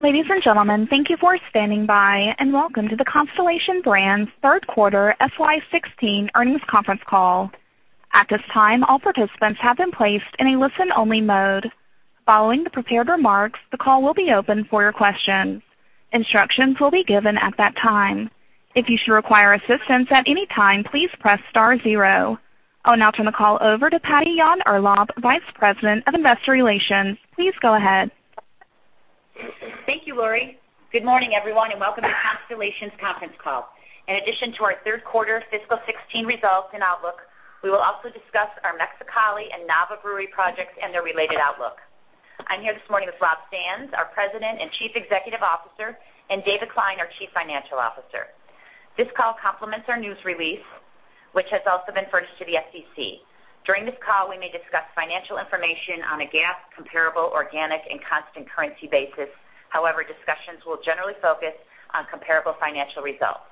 Ladies and gentlemen, thank you for standing by, welcome to the Constellation Brands Third Quarter FY 2016 Earnings Conference Call. At this time, all participants have been placed in a listen-only mode. Following the prepared remarks, the call will be open for your questions. Instructions will be given at that time. If you should require assistance at any time, please press star zero. I'll now turn the call over to Patty Yahn-Urlab, Vice President of Investor Relations. Please go ahead. Thank you, Laurie. Good morning, everyone, welcome to Constellation's Conference Call. In addition to our third quarter fiscal 2016 results and outlook, we will also discuss our Mexicali and Nava Brewery projects and their related outlook. I'm here this morning with Rob Sands, our President and Chief Executive Officer, and David Klein, our Chief Financial Officer. This call complements our news release, which has also been furnished to the SEC. During this call, we may discuss financial information on a GAAP comparable organic and constant currency basis. However, discussions will generally focus on comparable financial results.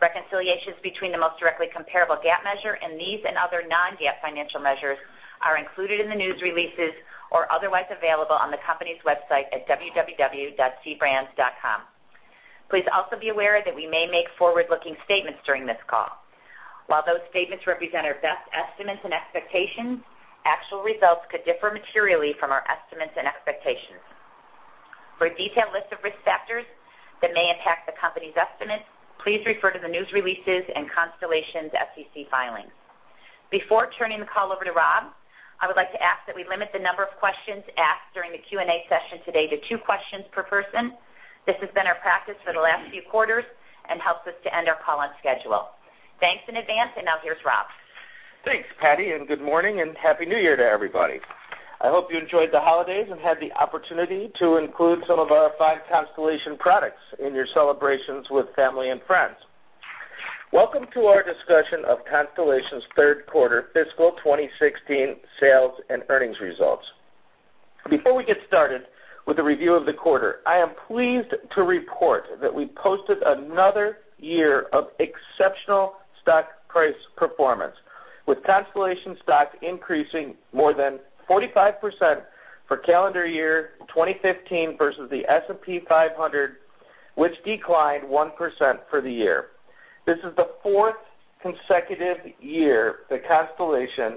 Reconciliations between the most directly comparable GAAP measure and these and other non-GAAP financial measures are included in the news releases or otherwise available on the company's website at www.cbrands.com. Please also be aware that we may make forward-looking statements during this call. While those statements represent our best estimates and expectations, actual results could differ materially from our estimates and expectations. For a detailed list of risk factors that may impact the company's estimates, please refer to the news releases and Constellation's SEC filings. Before turning the call over to Rob, I would like to ask that we limit the number of questions asked during the Q&A session today to two questions per person. This has been our practice for the last few quarters and helps us to end our call on schedule. Thanks in advance, now here's Rob. Thanks, Patty, good morning and Happy New Year to everybody. I hope you enjoyed the holidays and had the opportunity to include some of our fine Constellation products in your celebrations with family and friends. Welcome to our discussion of Constellation's third quarter fiscal 2016 sales and earnings results. Before we get started with the review of the quarter, I am pleased to report that we posted another year of exceptional stock price performance, with Constellation stock increasing more than 45% for calendar year 2015 versus the S&P 500, which declined 1% for the year. This is the fourth consecutive year that Constellation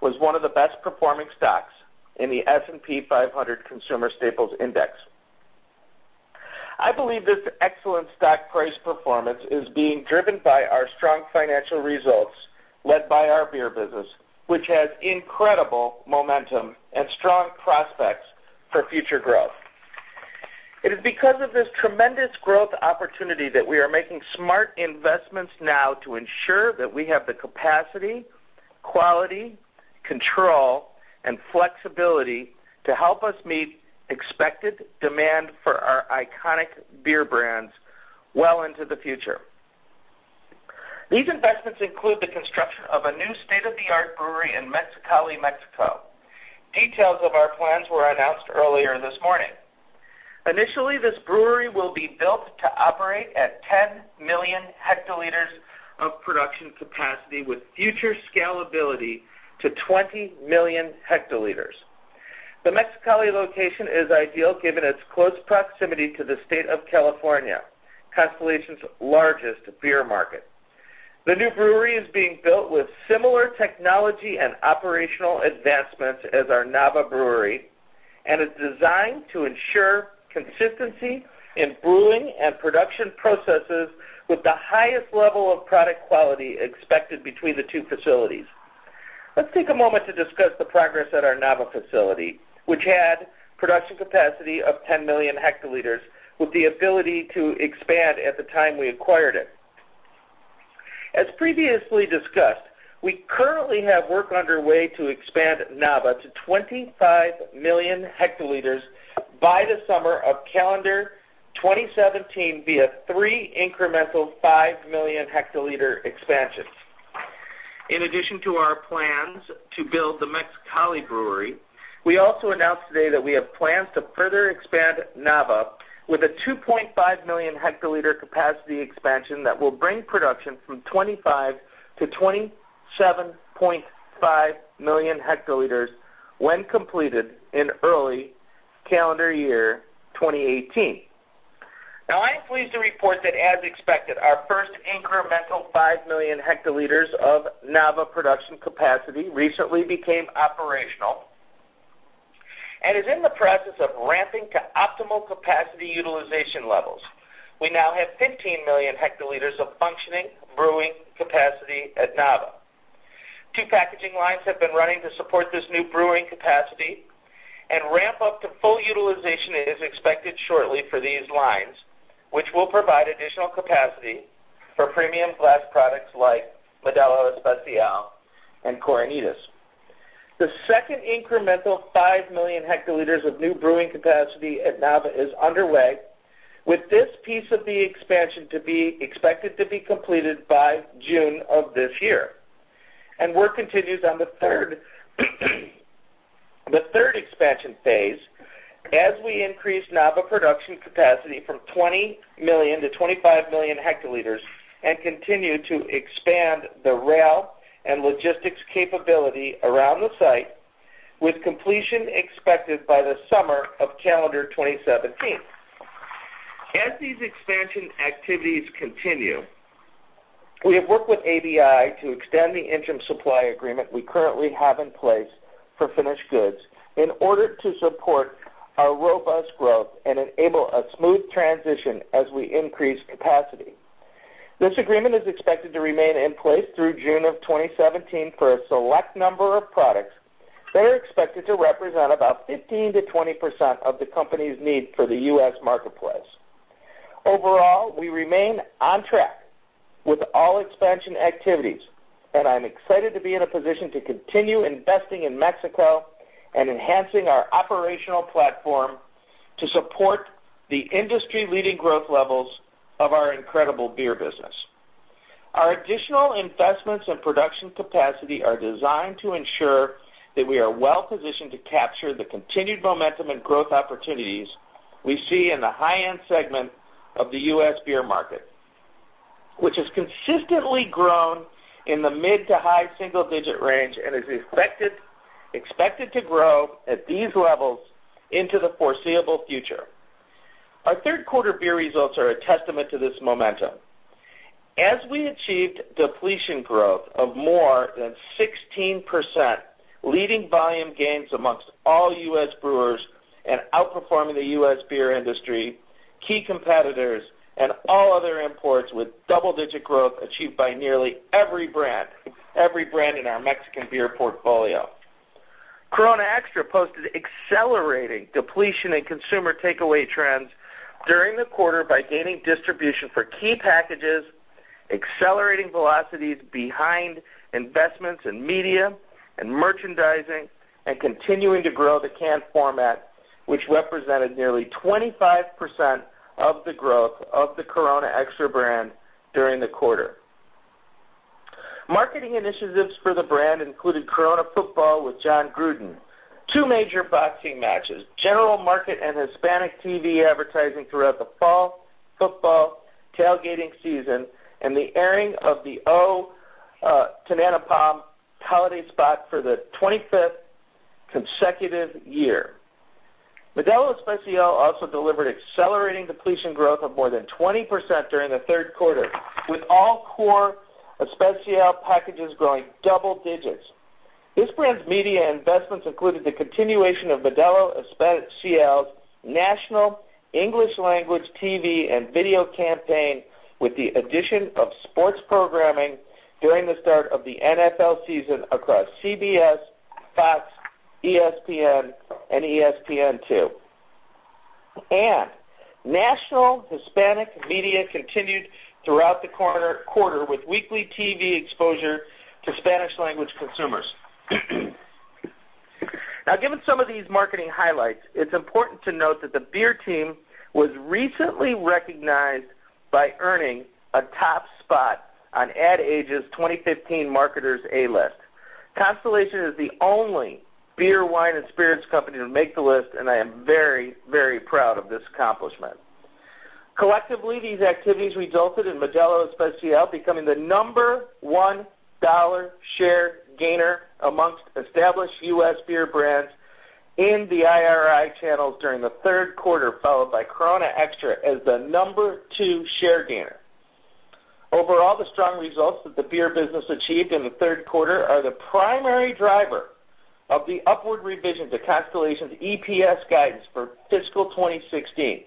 was one of the best-performing stocks in the S&P 500 Consumer Staples Index. I believe this excellent stock price performance is being driven by our strong financial results led by our beer business, which has incredible momentum and strong prospects for future growth. It is because of this tremendous growth opportunity that we are making smart investments now to ensure that we have the capacity, quality, control, and flexibility to help us meet expected demand for our iconic beer brands well into the future. These investments include the construction of a new state-of-the-art brewery in Mexicali, Mexico. Details of our plans were announced earlier this morning. Initially, this brewery will be built to operate at 10 million hectoliters of production capacity with future scalability to 20 million hectoliters. The Mexicali location is ideal given its close proximity to the state of California, Constellation's largest beer market. The new brewery is being built with similar technology and operational advancements as our Nava Brewery and is designed to ensure consistency in brewing and production processes with the highest level of product quality expected between the two facilities. Let's take a moment to discuss the progress at our Nava facility, which had production capacity of 10 million hectoliters with the ability to expand at the time we acquired it. As previously discussed, we currently have work underway to expand Nava to 25 million hectoliters by the summer of calendar 2017 via three incremental 5 million hectoliter expansions. In addition to our plans to build the Mexicali brewery, we also announced today that we have plans to further expand Nava with a 2.5 million hectoliter capacity expansion that will bring production from 25 to 27.5 million hectoliters when completed in early calendar year 2018. Now, I am pleased to report that as expected, our first incremental 5 million hectoliters of Nava production capacity recently became operational and is in the process of ramping to optimal capacity utilization levels. We now have 15 million hectoliters of functioning brewing capacity at Nava. Two packaging lines have been running to support this new brewing capacity and ramp up to full utilization is expected shortly for these lines, which will provide additional capacity for premium glass products like Modelo Especial and Coronitas. The second incremental 5 million hectoliters of new brewing capacity at Nava is underway, with this piece of the expansion to be expected to be completed by June of this year. Work continues on the third expansion phase as we increase Nava production capacity from 20 million to 25 million hectoliters and continue to expand the rail and logistics capability around the site with completion expected by the summer of calendar 2017. As these expansion activities continue, we have worked with ABI to extend the interim supply agreement we currently have in place for finished goods in order to support our robust growth and enable a smooth transition as we increase capacity. This agreement is expected to remain in place through June of 2017 for a select number of products that are expected to represent about 15%-20% of the company's need for the U.S. marketplace. Overall, we remain on track with all expansion activities, and I'm excited to be in a position to continue investing in Mexico and enhancing our operational platform to support the industry-leading growth levels of our incredible beer business. Our additional investments in production capacity are designed to ensure that we are well-positioned to capture the continued momentum and growth opportunities we see in the high-end segment of the U.S. beer market, which has consistently grown in the mid to high single-digit range and is expected to grow at these levels into the foreseeable future. Our third quarter beer results are a testament to this momentum. As we achieved depletion growth of more than 16%, leading volume gains amongst all U.S. brewers and outperforming the U.S. beer industry, key competitors, and all other imports, with double-digit growth achieved by nearly every brand in our Mexican beer portfolio. Corona Extra posted accelerating depletion in consumer takeaway trends during the quarter by gaining distribution for key packages, accelerating velocities behind investments in media and merchandising, and continuing to grow the can format, which represented nearly 25% of the growth of the Corona Extra brand during the quarter. Marketing initiatives for the brand included Corona Football with Jon Gruden, two major boxing matches, general market and Hispanic TV advertising throughout the fall football tailgating season, and the airing of the O Tannenpalm holiday spot for the 25th consecutive year. Modelo Especial also delivered accelerating depletion growth of more than 20% during the third quarter, with all core Especial packages growing double digits. This brand's media investments included the continuation of Modelo Especial's national English language TV and video campaign, with the addition of sports programming during the start of the NFL season across CBS, Fox, ESPN, and ESPN2. National Hispanic media continued throughout the quarter with weekly TV exposure to Spanish language consumers. Now, given some of these marketing highlights, it's important to note that the beer team was recently recognized by earning a top spot on Ad Age's 2015 Marketers A-List. Constellation is the only beer, wine, and spirits company to make the list, and I am very, very proud of this accomplishment. Collectively, these activities resulted in Modelo Especial becoming the number one dollar share gainer amongst established U.S. beer brands in the IRI channels during the third quarter, followed by Corona Extra as the number two share gainer. Overall, the strong results that the beer business achieved in the third quarter are the primary driver of the upward revision to Constellation's EPS guidance for fiscal 2016.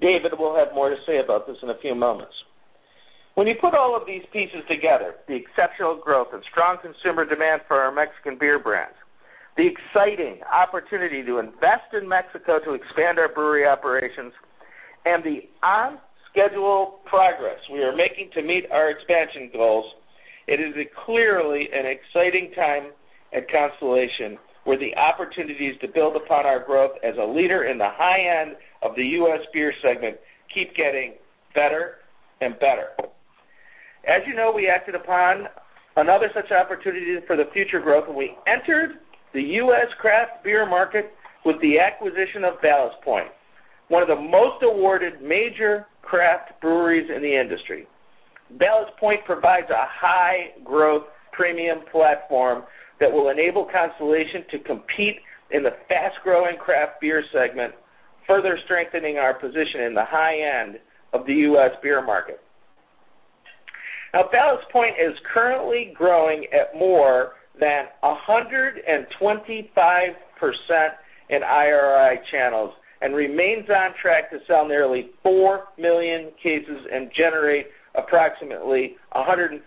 David will have more to say about this in a few moments. When you put all of these pieces together, the exceptional growth and strong consumer demand for our Mexican beer brands, the exciting opportunity to invest in Mexico to expand our brewery operations, and the on-schedule progress we are making to meet our expansion goals. It is clearly an exciting time at Constellation, where the opportunities to build upon our growth as a leader in the high end of the U.S. beer segment keep getting better and better. As you know, we acted upon another such opportunity for the future growth when we entered the U.S. craft beer market with the acquisition of Ballast Point, one of the most awarded major craft breweries in the industry. Ballast Point provides a high growth premium platform that will enable Constellation to compete in the fast-growing craft beer segment, further strengthening our position in the high end of the U.S. beer market. Ballast Point is currently growing at more than 125% in IRI channels and remains on track to sell nearly 4 million cases and generate approximately $115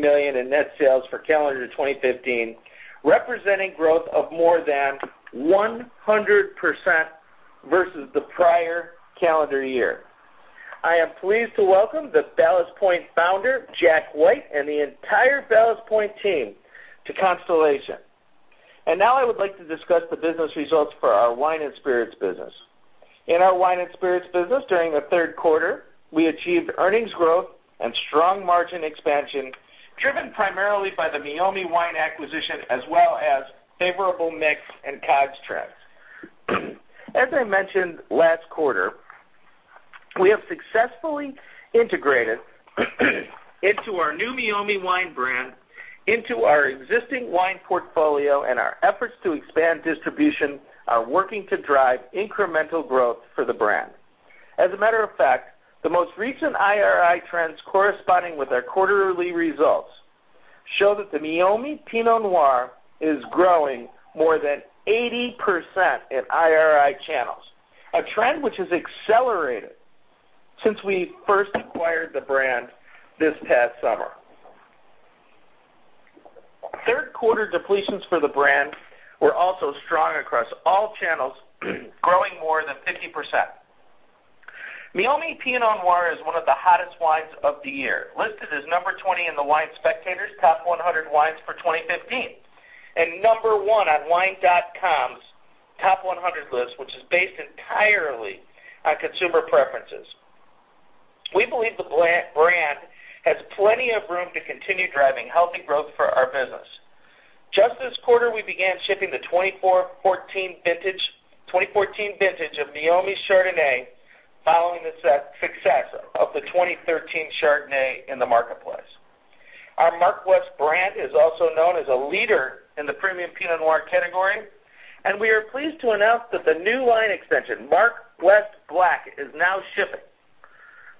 million in net sales for calendar 2015, representing growth of more than 100% versus the prior calendar year. I am pleased to welcome the Ballast Point founder, Jack White, and the entire Ballast Point team to Constellation. Now I would like to discuss the business results for our wine and spirits business. In our wine and spirits business during the third quarter, we achieved earnings growth and strong margin expansion driven primarily by the Meiomi Wine acquisition, as well as favorable mix and COGS trends. As I mentioned last quarter, we have successfully integrated our new Meiomi Wine brand into our existing wine portfolio, and our efforts to expand distribution are working to drive incremental growth for the brand. The most recent IRI trends corresponding with our quarterly results show that the Meiomi Pinot Noir is growing more than 80% in IRI channels, a trend which has accelerated since we first acquired the brand this past summer. Third quarter depletions for the brand were also strong across all channels, growing more than 50%. Meiomi Pinot Noir is one of the hottest wines of the year, listed as number 20 in the Wine Spectator's Top 100 Wines for 2015, and number 1 on wine.com's Top 100 list, which is based entirely on consumer preferences. We believe the brand has plenty of room to continue driving healthy growth for our business. Just this quarter, we began shipping the 2014 vintage of Meiomi Chardonnay, following the success of the 2013 Chardonnay in the marketplace. Our Mark West brand is also known as a leader in the premium Pinot Noir category, and we are pleased to announce that the new line extension, Mark West Black, is now shipping.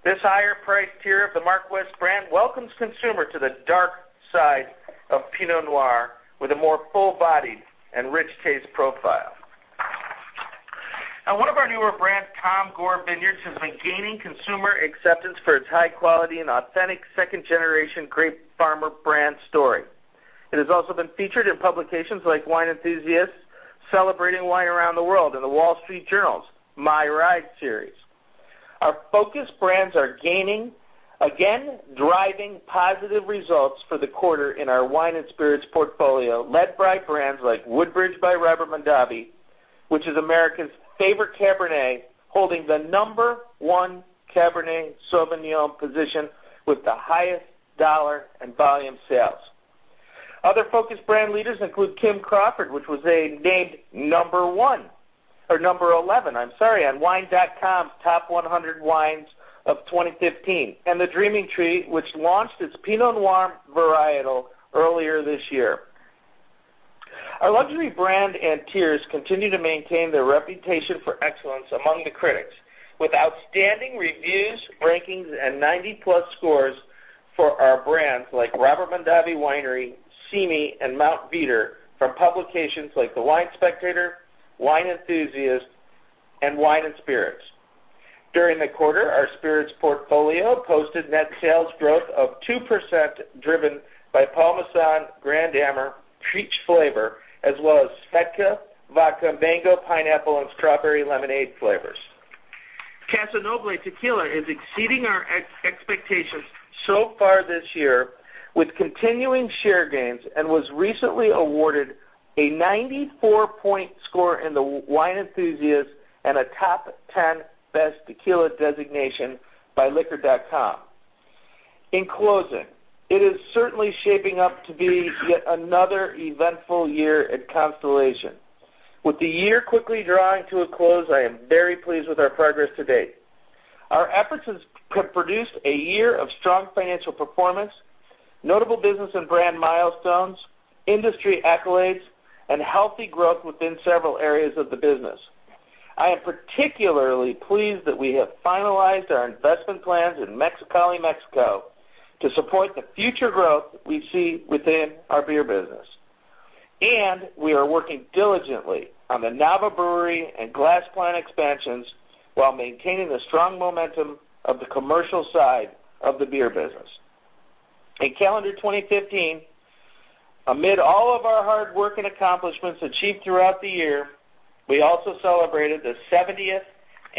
This higher price tier of the Mark West brand welcomes consumer to the dark side of Pinot Noir with a more full-bodied and rich taste profile. One of our newer brands, Tom Gore Vineyards, has been gaining consumer acceptance for its high quality and authentic second-generation grape farmer brand story. It has also been featured in publications like Wine Enthusiast, Celebrating Wine Around the World, and The Wall Street Journal's My Ride series. Our focus brands are gaining, driving positive results for the quarter in our wine and spirits portfolio, led by brands like Woodbridge by Robert Mondavi, which is America's favorite Cabernet, holding the number 1 Cabernet Sauvignon position with the highest dollar and volume sales. Other focus brand leaders include Kim Crawford, which was named number 11 on wine.com's Top 100 Wines of 2015, and The Dreaming Tree, which launched its Pinot Noir varietal earlier this year. Our luxury brand and tiers continue to maintain their reputation for excellence among the critics, with outstanding reviews, rankings, and 90-plus scores for our brands like Robert Mondavi Winery, Simi, and Mount Veeder, from publications like the Wine Spectator, Wine Enthusiast, and Wine & Spirits. During the quarter, our spirits portfolio posted net sales growth of 2%, driven by Paul Masson Grande Amber Peach flavor, as well as SVEDKA Vodka Mango, Pineapple, and Strawberry Lemonade flavors. Casa Noble Tequila is exceeding our expectations so far this year with continuing share gains and was recently awarded a 94-point score in the Wine Enthusiast and a Top 10 Best Tequila designation by Liquor.com. In closing, it is certainly shaping up to be yet another eventful year at Constellation. With the year quickly drawing to a close, I am very pleased with our progress to date. Our efforts have produced a year of strong financial performance, notable business and brand milestones, industry accolades, and healthy growth within several areas of the business. I am particularly pleased that we have finalized our investment plans in Mexicali, Mexico, to support the future growth we see within our beer business. We are working diligently on the Nava Brewery and glass plant expansions while maintaining the strong momentum of the commercial side of the beer business. In calendar 2015, amid all of our hard work and accomplishments achieved throughout the year, we also celebrated the 70th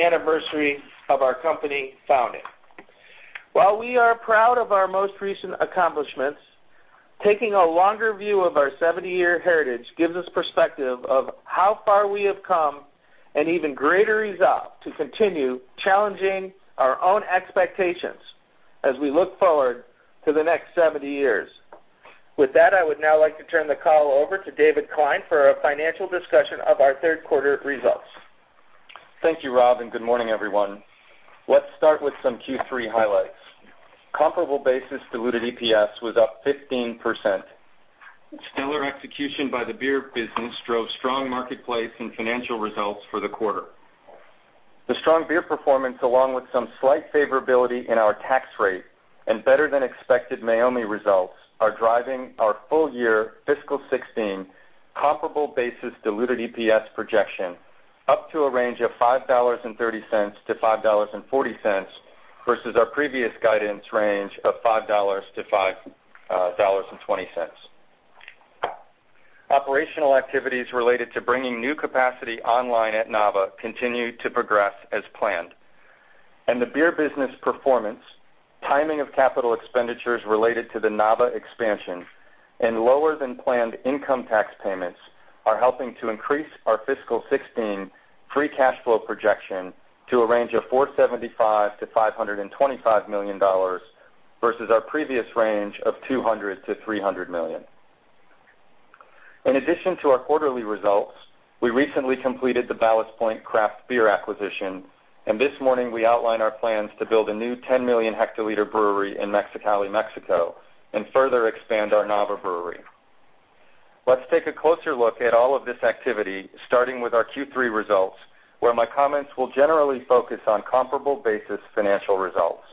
anniversary of our company founding. While we are proud of our most recent accomplishments, taking a longer view of our 70-year heritage gives us perspective of how far we have come and even greater resolve to continue challenging our own expectations as we look forward to the next 70 years. With that, I would now like to turn the call over to David Klein for a financial discussion of our third quarter results. Thank you, Rob, and good morning, everyone. Let's start with some Q3 highlights. Comparable basis diluted EPS was up 15%. Stellar execution by the beer business drove strong marketplace and financial results for the quarter. The strong beer performance, along with some slight favorability in our tax rate and better than expected Meiomi results, are driving our full year fiscal 2016 comparable basis diluted EPS projection up to a range of $5.30-$5.40, versus our previous guidance range of $5-$5.20. Operational activities related to bringing new capacity online at Nava continue to progress as planned. The beer business performance, timing of capital expenditures related to the Nava expansion, and lower than planned income tax payments are helping to increase our fiscal 2016 free cash flow projection to a range of $475 million-$525 million, versus our previous range of $200 million-$300 million. In addition to our quarterly results, we recently completed the Ballast Point craft beer acquisition, and this morning we outlined our plans to build a new 10 million hectoliter brewery in Mexicali, Mexico, and further expand our Nava Brewery. Let's take a closer look at all of this activity, starting with our Q3 results, where my comments will generally focus on comparable basis financial results.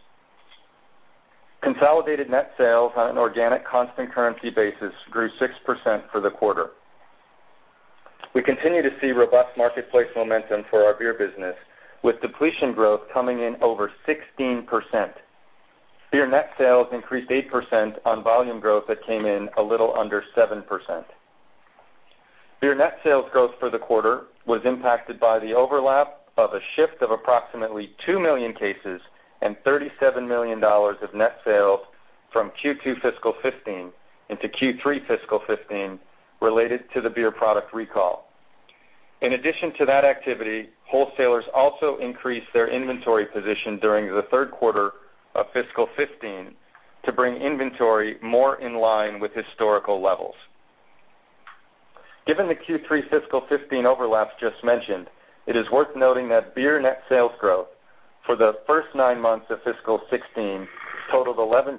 Consolidated net sales on an organic constant currency basis grew 6% for the quarter. We continue to see robust marketplace momentum for our beer business, with depletion growth coming in over 16%. Beer net sales increased 8% on volume growth that came in a little under 7%. Beer net sales growth for the quarter was impacted by the overlap of a shift of approximately 2 million cases and $37 million of net sales from Q2 fiscal 2015 into Q3 fiscal 2015 related to the beer product recall. In addition to that activity, wholesalers also increased their inventory position during the third quarter of fiscal 2015 to bring inventory more in line with historical levels. Given the Q3 fiscal 2015 overlaps just mentioned, it is worth noting that beer net sales growth for the first nine months of fiscal 2016 totaled 11%,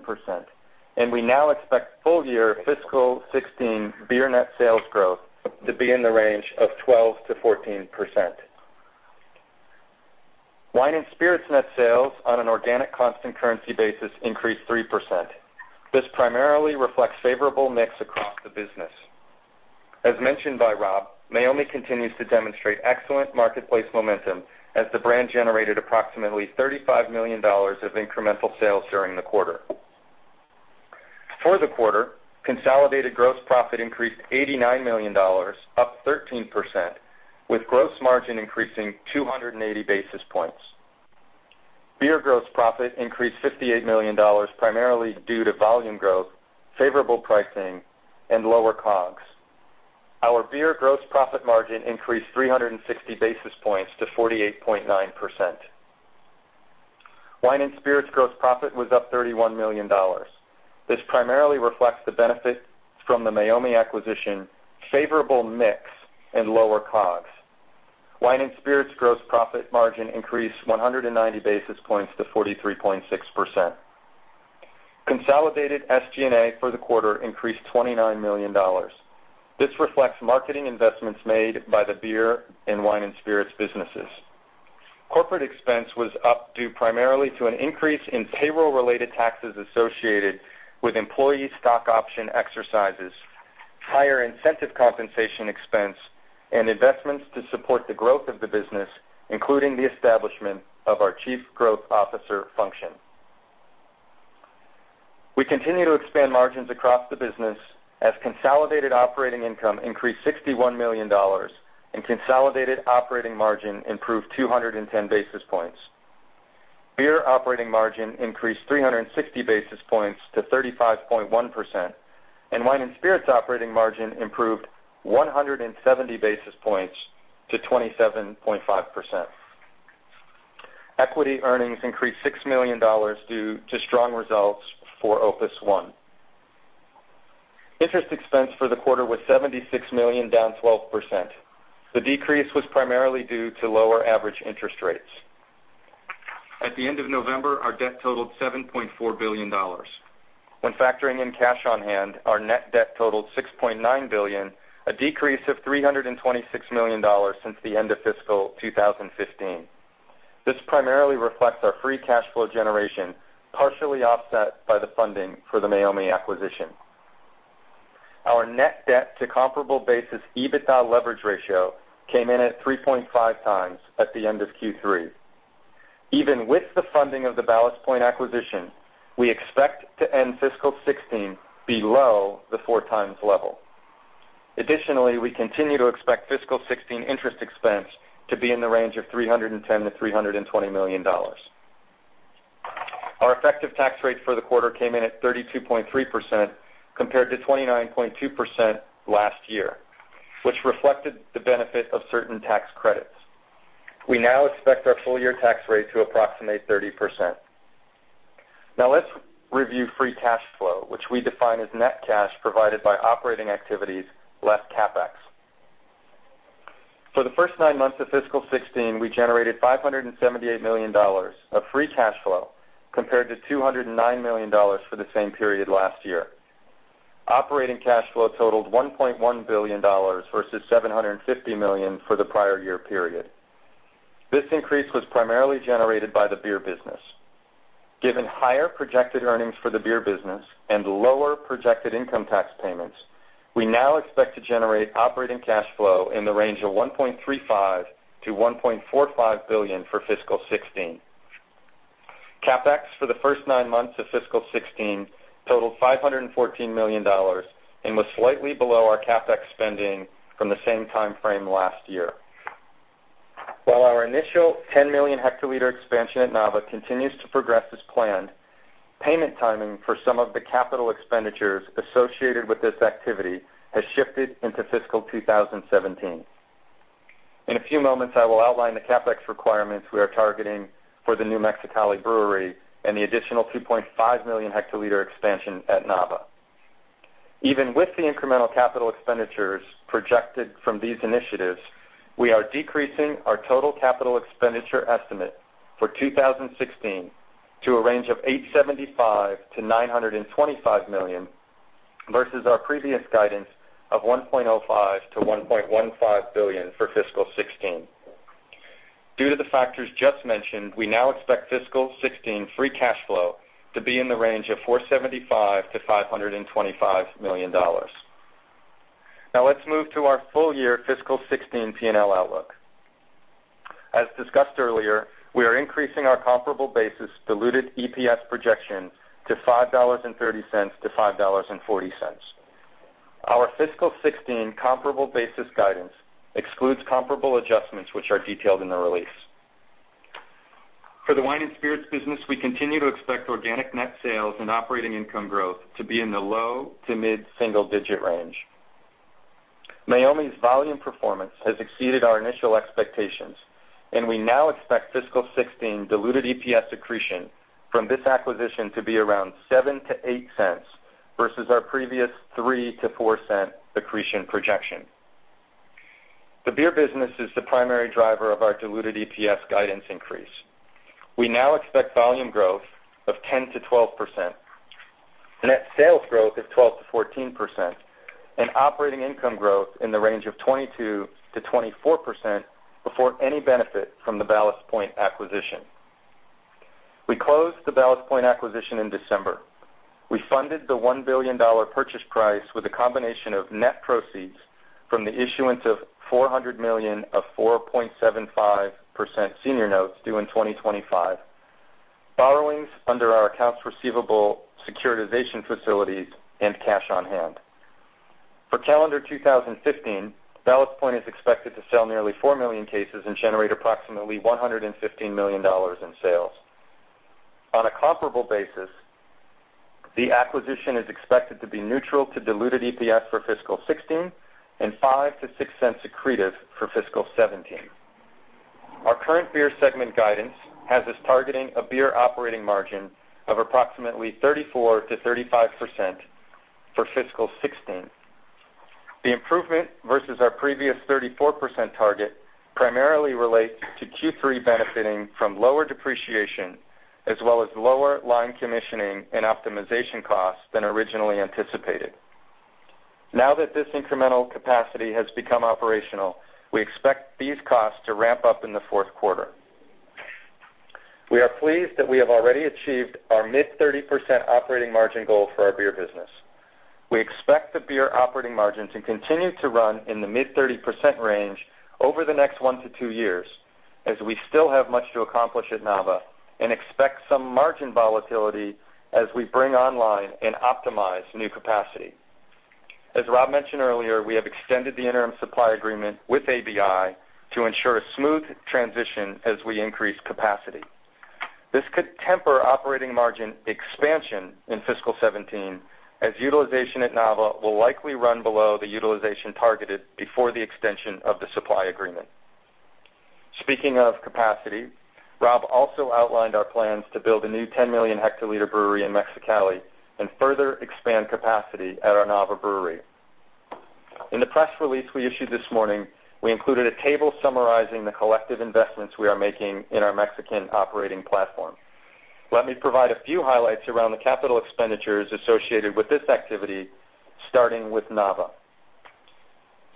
and we now expect full year fiscal 2016 beer net sales growth to be in the range of 12%-14%. Wine and spirits net sales on an organic constant currency basis increased 3%. This primarily reflects favorable mix across the business. As mentioned by Rob, Meiomi continues to demonstrate excellent marketplace momentum as the brand generated approximately $35 million of incremental sales during the quarter. For the quarter, consolidated gross profit increased $89 million, up 13%, with gross margin increasing 280 basis points. Beer gross profit increased $58 million, primarily due to volume growth, favorable pricing, and lower COGS. Our beer gross profit margin increased 360 basis points to 48.9%. Wine and spirits gross profit was up $31 million. This primarily reflects the benefit from the Meiomi acquisition, favorable mix, and lower COGS. Wine and spirits gross profit margin increased 190 basis points to 43.6%. Consolidated SG&A for the quarter increased $29 million. This reflects marketing investments made by the beer and wine and spirits businesses. Corporate expense was up due primarily to an increase in payroll-related taxes associated with employee stock option exercises, higher incentive compensation expense, and investments to support the growth of the business, including the establishment of our chief growth officer function. We continue to expand margins across the business as consolidated operating income increased $61 million and consolidated operating margin improved 210 basis points. Beer operating margin increased 360 basis points to 35.1%, and wine and spirits operating margin improved 170 basis points to 27.5%. Equity earnings increased $6 million due to strong results for Opus One. Interest expense for the quarter was $76 million, down 12%. The decrease was primarily due to lower average interest rates. At the end of November, our debt totaled $7.4 billion. When factoring in cash on hand, our net debt totaled $6.9 billion, a decrease of $326 million since the end of fiscal 2015. This primarily reflects our free cash flow generation, partially offset by the funding for the Meiomi acquisition. Our net debt to comparable basis EBITDA leverage ratio came in at 3.5 times at the end of Q3. Even with the funding of the Ballast Point acquisition, we expect to end fiscal 2016 below the 4 times level. Additionally, we continue to expect fiscal 2016 interest expense to be in the range of $310 million-$320 million. Our effective tax rate for the quarter came in at 32.3% compared to 29.2% last year, which reflected the benefit of certain tax credits. We now expect our full-year tax rate to approximate 30%. Now let's review free cash flow, which we define as net cash provided by operating activities less CapEx. For the first nine months of fiscal 2016, we generated $578 million of free cash flow compared to $209 million for the same period last year. Operating cash flow totaled $1.1 billion versus $750 million for the prior year period. This increase was primarily generated by the beer business. Given higher projected earnings for the beer business and lower projected income tax payments, we now expect to generate operating cash flow in the range of $1.35 billion to $1.45 billion for fiscal 2016. CapEx for the first nine months of fiscal 2016 totaled $514 million and was slightly below our CapEx spending from the same time frame last year. While our initial 10 million hectoliters expansion at Nava continues to progress as planned, payment timing for some of the capital expenditures associated with this activity has shifted into fiscal 2017. In a few moments, I will outline the CapEx requirements we are targeting for the new Mexicali brewery and the additional 2.5 million hectoliters expansion at Nava. Even with the incremental capital expenditures projected from these initiatives, we are decreasing our total capital expenditure estimate for 2016 to a range of $875 million to $925 million, versus our previous guidance of $1.05 billion to $1.15 billion for fiscal 2016. Due to the factors just mentioned, we now expect fiscal 2016 free cash flow to be in the range of $475 million to $525 million. Let's move to our full year fiscal 2016 P&L outlook. As discussed earlier, we are increasing our comparable basis diluted EPS projection to $5.30 to $5.40. Our fiscal 2016 comparable basis guidance excludes comparable adjustments, which are detailed in the release. For the wine and spirits business, we continue to expect organic net sales and operating income growth to be in the low to mid-single digit range. Meiomi's volume performance has exceeded our initial expectations, and we now expect fiscal 2016 diluted EPS accretion from this acquisition to be around $0.07 to $0.08 versus our previous $0.03 to $0.04 accretion projection. The beer business is the primary driver of our diluted EPS guidance increase. We now expect volume growth of 10%-12%, net sales growth of 12%-14%, and operating income growth in the range of 22%-24% before any benefit from the Ballast Point acquisition. We closed the Ballast Point acquisition in December. We funded the $1 billion purchase price with a combination of net proceeds from the issuance of $400 million of 4.75% senior notes due in 2025, borrowings under our accounts receivable securitization facilities, and cash on hand. For calendar 2015, Ballast Point is expected to sell nearly 4 million cases and generate approximately $115 million in sales. On a comparable basis, the acquisition is expected to be neutral to diluted EPS for fiscal 2016 and $0.05 to $0.06 accretive for fiscal 2017. Our current beer segment guidance has us targeting a beer operating margin of approximately 34%-35% for fiscal 2016. The improvement versus our previous 34% target primarily relates to Q3 benefiting from lower depreciation as well as lower line commissioning and optimization costs than originally anticipated. Now that this incremental capacity has become operational, we expect these costs to ramp up in the fourth quarter. We are pleased that we have already achieved our mid 30% operating margin goal for our beer business. We expect the beer operating margin to continue to run in the mid 30% range over the next one to two years, as we still have much to accomplish at Nava and expect some margin volatility as we bring online and optimize new capacity. As Rob mentioned earlier, we have extended the interim supply agreement with ABI to ensure a smooth transition as we increase capacity. This could temper operating margin expansion in fiscal 2017, as utilization at Nava will likely run below the utilization targeted before the extension of the supply agreement. Rob also outlined our plans to build a new 10 million hectoliter brewery in Mexicali and further expand capacity at our Nava brewery. In the press release we issued this morning, we included a table summarizing the collective investments we are making in our Mexican operating platform. Let me provide a few highlights around the capital expenditures associated with this activity, starting with Nava.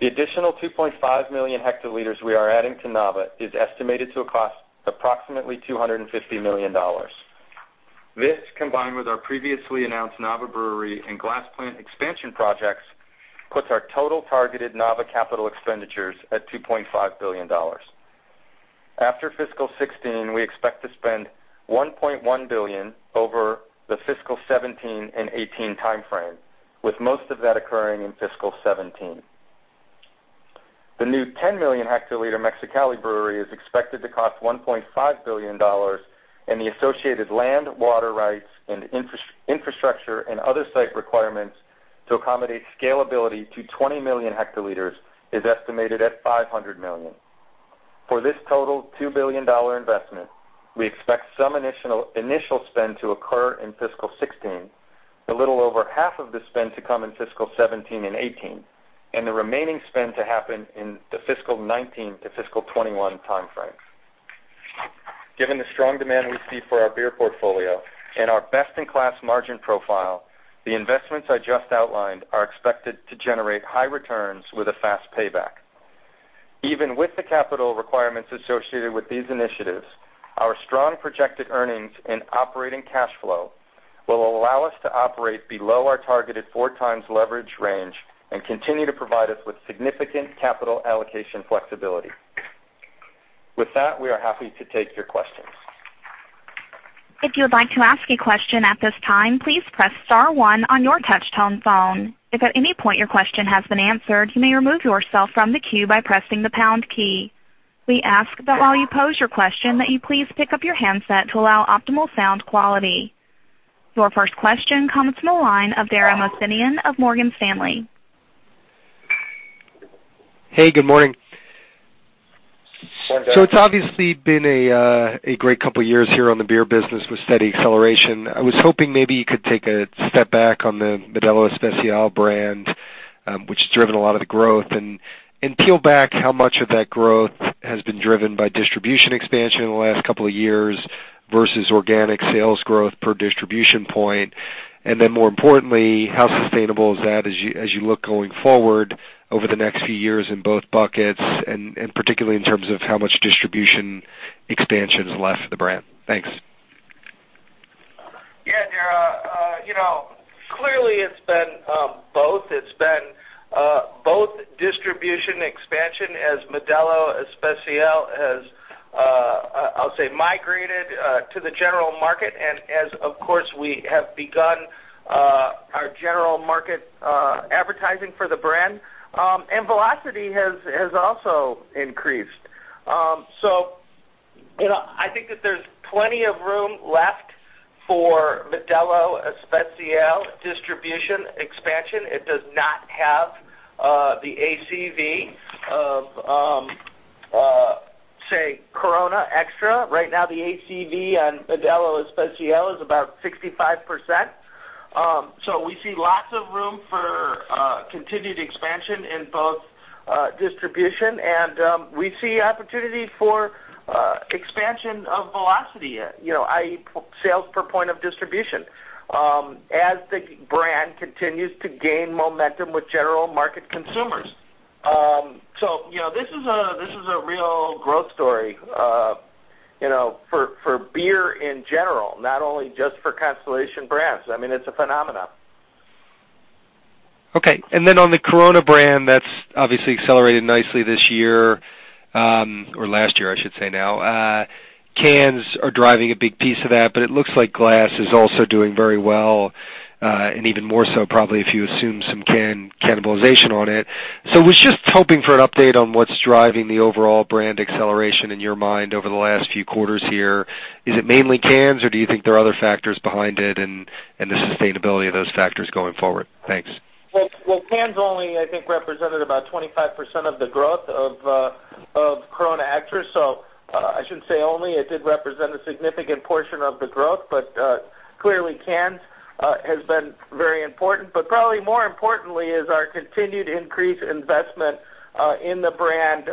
The additional 2.5 million hectoliters we are adding to Nava is estimated to cost approximately $250 million. This, combined with our previously announced Nava brewery and glass plant expansion projects, puts our total targeted Nava capital expenditures at $2.5 billion. After fiscal 2016, we expect to spend $1.1 billion over the fiscal 2017 and 2018 timeframe, with most of that occurring in fiscal 2017. The new 10 million hectoliter Mexicali brewery is expected to cost $1.5 billion, and the associated land, water rights and infrastructure and other site requirements to accommodate scalability to 20 million hectoliters is estimated at $500 million. For this total $2 billion investment, we expect some initial spend to occur in fiscal 2016, a little over half of the spend to come in fiscal 2017 and 2018, and the remaining spend to happen in the fiscal 2019 to fiscal 2021 timeframe. Given the strong demand we see for our beer portfolio and our best-in-class margin profile, the investments I just outlined are expected to generate high returns with a fast payback. Even with the capital requirements associated with these initiatives, our strong projected earnings and operating cash flow will allow us to operate below our targeted 4x leverage range and continue to provide us with significant capital allocation flexibility. With that, we are happy to take your questions. If you would like to ask a question at this time, please press star one on your touch-tone phone. If at any point your question has been answered, you may remove yourself from the queue by pressing the pound key. We ask that while you pose your question, that you please pick up your handset to allow optimal sound quality. Your first question comes from the line of Dara Mohsenian of Morgan Stanley. Hey, good morning. Good morning. It's obviously been a great couple of years here on the beer business with steady acceleration. I was hoping maybe you could take a step back on the Modelo Especial brand, which has driven a lot of the growth, and peel back how much of that growth has been driven by distribution expansion in the last couple of years versus organic sales growth per distribution point. More importantly, how sustainable is that as you look going forward over the next few years in both buckets, and particularly in terms of how much distribution expansion is left for the brand? Thanks. Yeah. Dara, clearly, it's been both. It's been both distribution expansion as Modelo Especial has, I'll say, migrated to the general market and as, of course, we have begun our general market advertising for the brand. Velocity has also increased. I think that there's plenty of room left for Modelo Especial distribution expansion. It does not have the ACV of, say, Corona Extra. Right now, the ACV on Modelo Especial is about 65%. We see lots of room for continued expansion in both distribution, and we see opportunity for expansion of velocity. I.e., sales per point of distribution, as the brand continues to gain momentum with general market consumers. This is a real growth story for beer in general, not only just for Constellation Brands. I mean, it's a phenomenon. Okay. On the Corona brand, that's obviously accelerated nicely this year, or last year, I should say now. Cans are driving a big piece of that, but it looks like glass is also doing very well, and even more so probably if you assume some cannibalization on it. Was just hoping for an update on what's driving the overall brand acceleration in your mind over the last few quarters here. Is it mainly cans, or do you think there are other factors behind it and the sustainability of those factors going forward? Thanks. Well, cans only, I think, represented about 25% of the growth of Corona Extra. I shouldn't say only. It did represent a significant portion of the growth, but clearly cans has been very important. Probably more importantly is our continued increased investment in the brand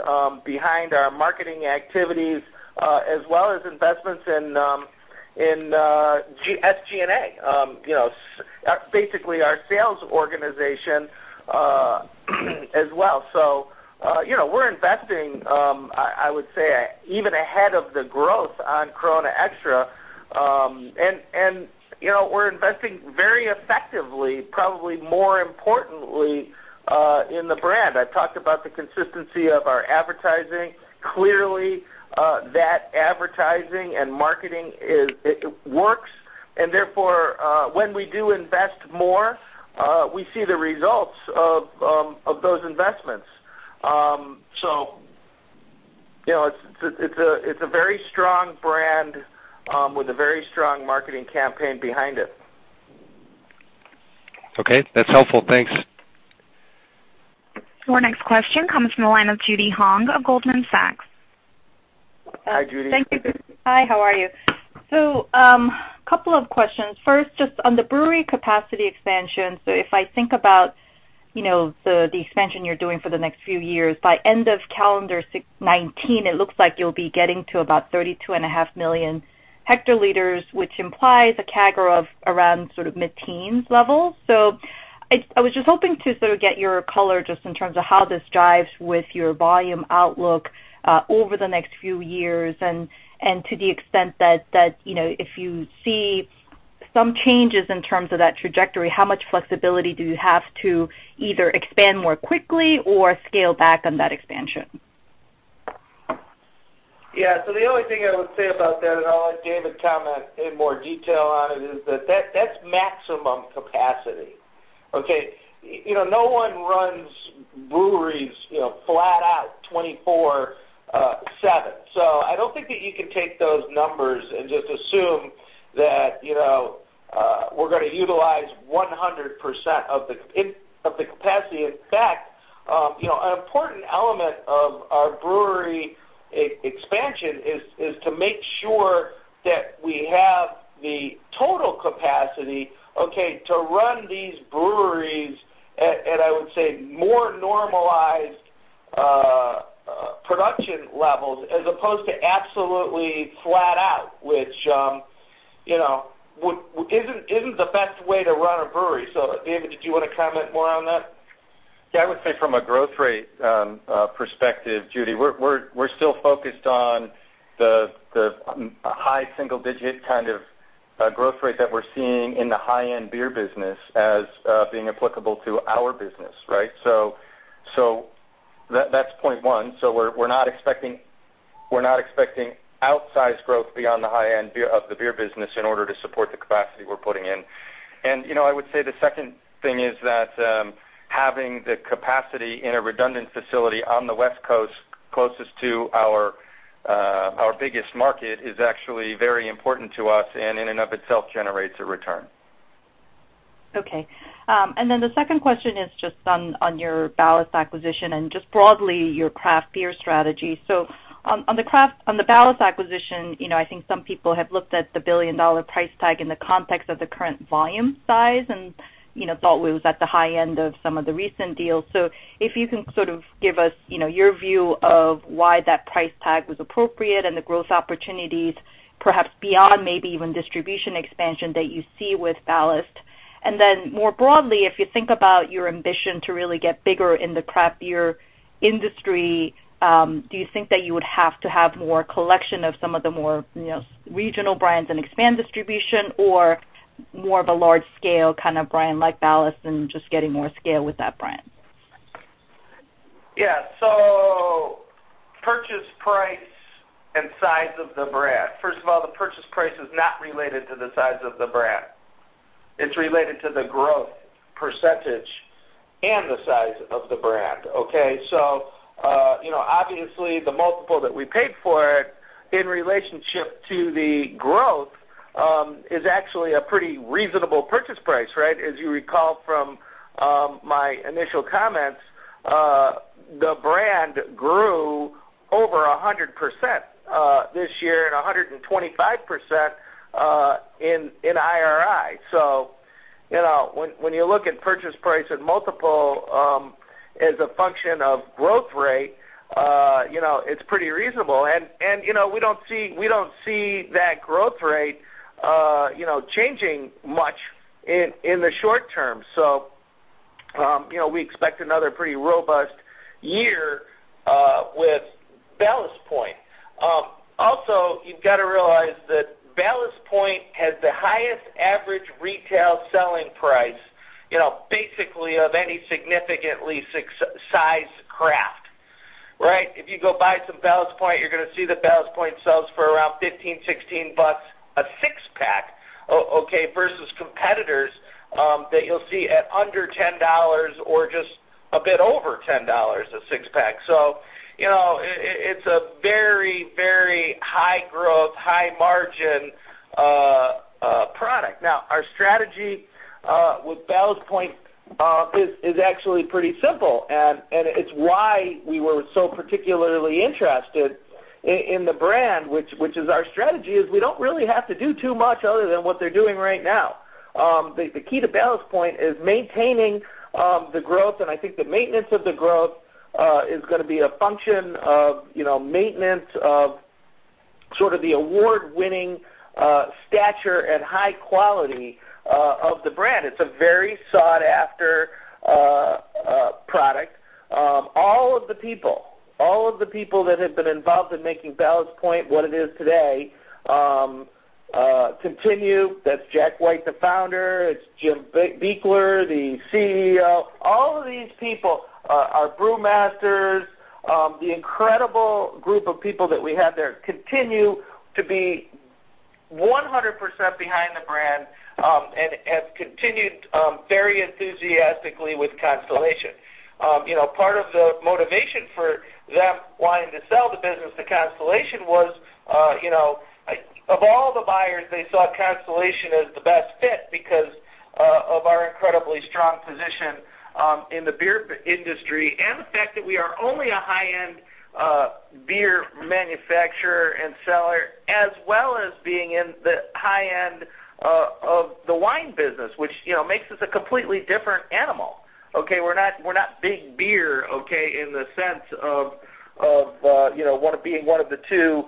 behind our marketing activities, as well as investments in SG&A. Basically, our sales organization as well. We're investing, I would say, even ahead of the growth on Corona Extra. We're investing very effectively, probably more importantly, in the brand. I've talked about the consistency of our advertising. Clearly, that advertising and marketing, it works, and therefore, when we do invest more, we see the results of those investments. It's a very strong brand with a very strong marketing campaign behind it. Okay. That's helpful. Thanks. Your next question comes from the line of Judy Hong of Goldman Sachs. Hi, Judy. Thank you. Hi, how are you? Couple of questions. First, just on the brewery capacity expansion. If I think about the expansion you're doing for the next few years, by end of calendar 2019, it looks like you'll be getting to about 32.5 million hectoliters, which implies a CAGR of around sort of mid-teens level. I was just hoping to sort of get your color just in terms of how this jives with your volume outlook over the next few years. To the extent that if you see some changes in terms of that trajectory, how much flexibility do you have to either expand more quickly or scale back on that expansion? Yeah. The only thing I would say about that, and I'll let David comment in more detail on it, is that that's maximum capacity. Okay. No one runs breweries flat out 24/7. I don't think that you can take those numbers and just assume that we're going to utilize 100% of the capacity. In fact, an important element of our brewery expansion is to make sure that we have the total capacity, okay, to run these breweries at, I would say, more normalized production levels as opposed to absolutely flat out, which isn't the best way to run a brewery. David, did you want to comment more on that? Yeah. I would say from a growth rate perspective, Judy, we're still focused on the high single-digit kind of growth rate that we're seeing in the high-end beer business as being applicable to our business. Right? That's point one. We're not expecting outsized growth beyond the high end of the beer business in order to support the capacity we're putting in. I would say the second thing is that having the capacity in a redundant facility on the West Coast closest to our biggest market is actually very important to us, and in and of itself generates a return. Okay. The second question is just on your Ballast acquisition and just broadly your craft beer strategy. On the Ballast acquisition, I think some people have looked at the $1 billion price tag in the context of the current volume size and thought it was at the high end of some of the recent deals. If you can sort of give us your view of why that price tag was appropriate and the growth opportunities, perhaps beyond maybe even distribution expansion that you see with Ballast. More broadly, if you think about your ambition to really get bigger in the craft beer industry, do you think that you would have to have more collection of some of the more regional brands and expand distribution or more of a large scale kind of brand like Ballast and just getting more scale with that brand? Yeah. Purchase price and size of the brand. First of all, the purchase price is not related to the size of the brand. It's related to the growth percentage and the size of the brand, okay? Obviously the multiple that we paid for it in relationship to the growth, is actually a pretty reasonable purchase price, right? As you recall from my initial comments, the brand grew over 100% this year and 125% in IRI. When you look at purchase price and multiple, as a function of growth rate, it's pretty reasonable. We don't see that growth rate changing much in the short term. We expect another pretty robust year, with Ballast Point. Also, you've got to realize that Ballast Point has the highest average retail selling price, basically of any significantly sized craft, right? If you go buy some Ballast Point, you're going to see that Ballast Point sells for around $15, $16 a six-pack, okay, versus competitors, that you'll see at under $10 or just a bit over $10 a six-pack. It's a very high growth, high margin product. Now, our strategy with Ballast Point is actually pretty simple, and it's why we were so particularly interested in the brand, which is our strategy, is we don't really have to do too much other than what they're doing right now. The key to Ballast Point is maintaining the growth, and I think the maintenance of the growth, is going to be a function of maintenance of sort of the award-winning stature and high quality of the brand. It's a very sought-after product. All of the people that have been involved in making Ballast Point what it is today continue. That's Jack White, the founder, it's Jim Buechler, the CEO. All of these people are brewmasters. The incredible group of people that we have there continue to be 100% behind the brand, and have continued very enthusiastically with Constellation. Part of the motivation for them wanting to sell the business to Constellation was, of all the buyers, they saw Constellation as the best fit because of our incredibly strong position in the beer industry and the fact that we are only a high-end beer manufacturer and seller, as well as being in the high end of the wine business, which makes us a completely different animal, okay? We're not big beer, okay, in the sense of being one of the two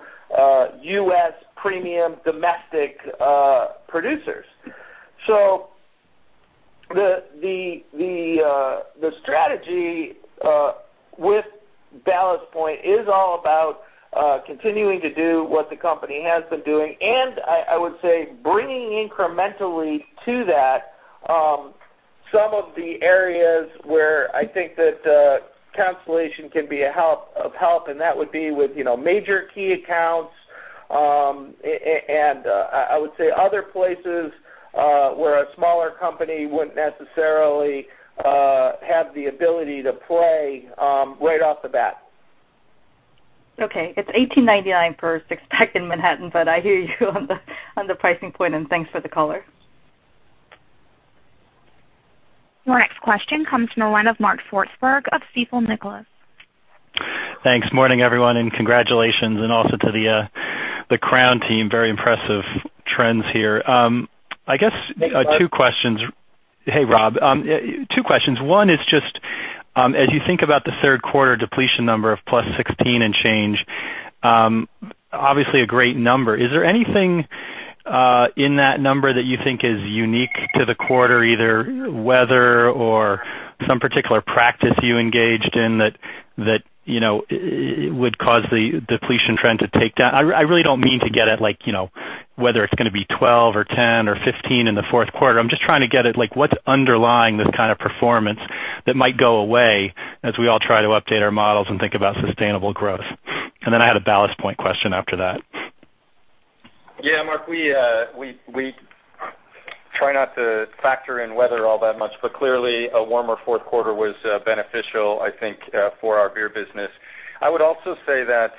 U.S. premium domestic producers. The strategy with Ballast Point is all about continuing to do what the company has been doing, and I would say bringing incrementally to that some of the areas where I think that Constellation can be of help, and that would be with major key accounts, and I would say other places, where a smaller company wouldn't necessarily have the ability to play right off the bat. Okay. It's $18.99 for a six-pack in Manhattan, but I hear you on the pricing point, and thanks for the color. Our next question comes from the line of Mark Swartzberg of Stifel Nicolaus. Thanks. Morning, everyone, and congratulations, and also to the Crown team, very impressive trends here. Thanks, Mark Two questions. Hey, Rob. Two questions. One is just, as you think about the third quarter depletion number of +16% and change, obviously a great number. Is there anything in that number that you think is unique to the quarter, either weather or some particular practice you engaged in that would cause the depletion trend to take down? I really don't mean to get at like, whether it's going to be 12% or 10% or 15% in the fourth quarter. I'm just trying to get at what's underlying this kind of performance that might go away as we all try to update our models and think about sustainable growth. Then I had a Ballast Point question after that. Yeah, Mark, we try not to factor in weather all that much, clearly, a warmer fourth quarter was beneficial, I think, for our beer business. I would also say that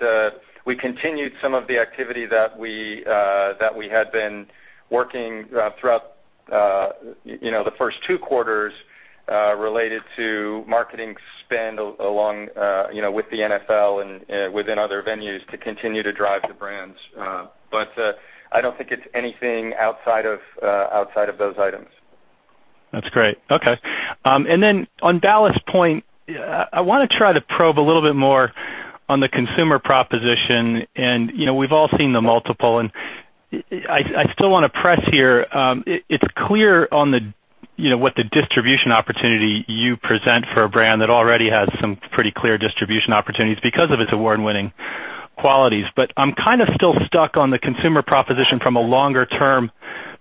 we continued some of the activity that we had been working throughout the first two quarters related to marketing spend along with the NFL and within other venues to continue to drive the brands. I don't think it's anything outside of those items. That's great. Okay. Then on Ballast Point, I want to try to probe a little bit more on the consumer proposition. We've all seen the multiple, and I still want to press here. It's clear on what the distribution opportunity you present for a brand that already has some pretty clear distribution opportunities because of its award-winning qualities. I'm kind of still stuck on the consumer proposition from a longer-term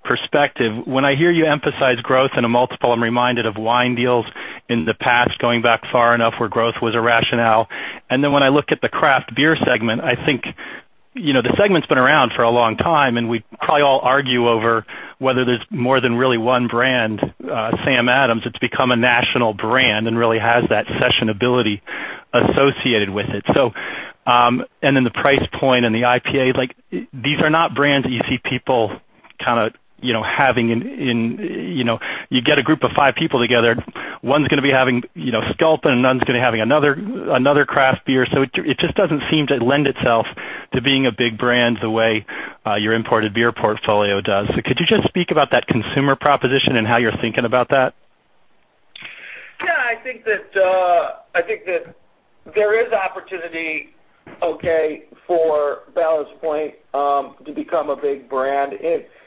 perspective. When I hear you emphasize growth in a multiple, I'm reminded of wine deals in the past, going back far enough where growth was a rationale. Then when I look at the craft beer segment, I think, the segment's been around for a long time, and we'd probably all argue over whether there's more than really one brand. Sam Adams, it's become a national brand and really has that session ability associated with it. The price point and the IPAs, these are not brands that you see people kind of having in. You get a group of five people together, one's going to be having Sculpin and another's going to be having another craft beer. It just doesn't seem to lend itself to being a big brand the way your imported beer portfolio does. Could you just speak about that consumer proposition and how you're thinking about that? Yeah, I think that there is opportunity, okay, for Ballast Point to become a big brand.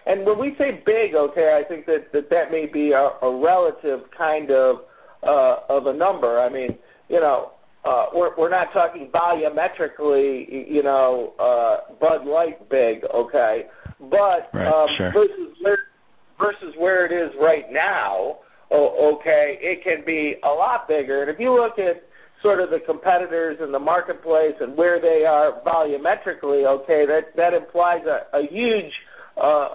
When we say big, okay, I think that may be a relative kind of a number. We're not talking volumetrically Bud Light big, okay? Right. Sure. Versus where it is right now, okay, it can be a lot bigger. If you look at sort of the competitors in the marketplace and where they are volumetrically, okay, that implies a huge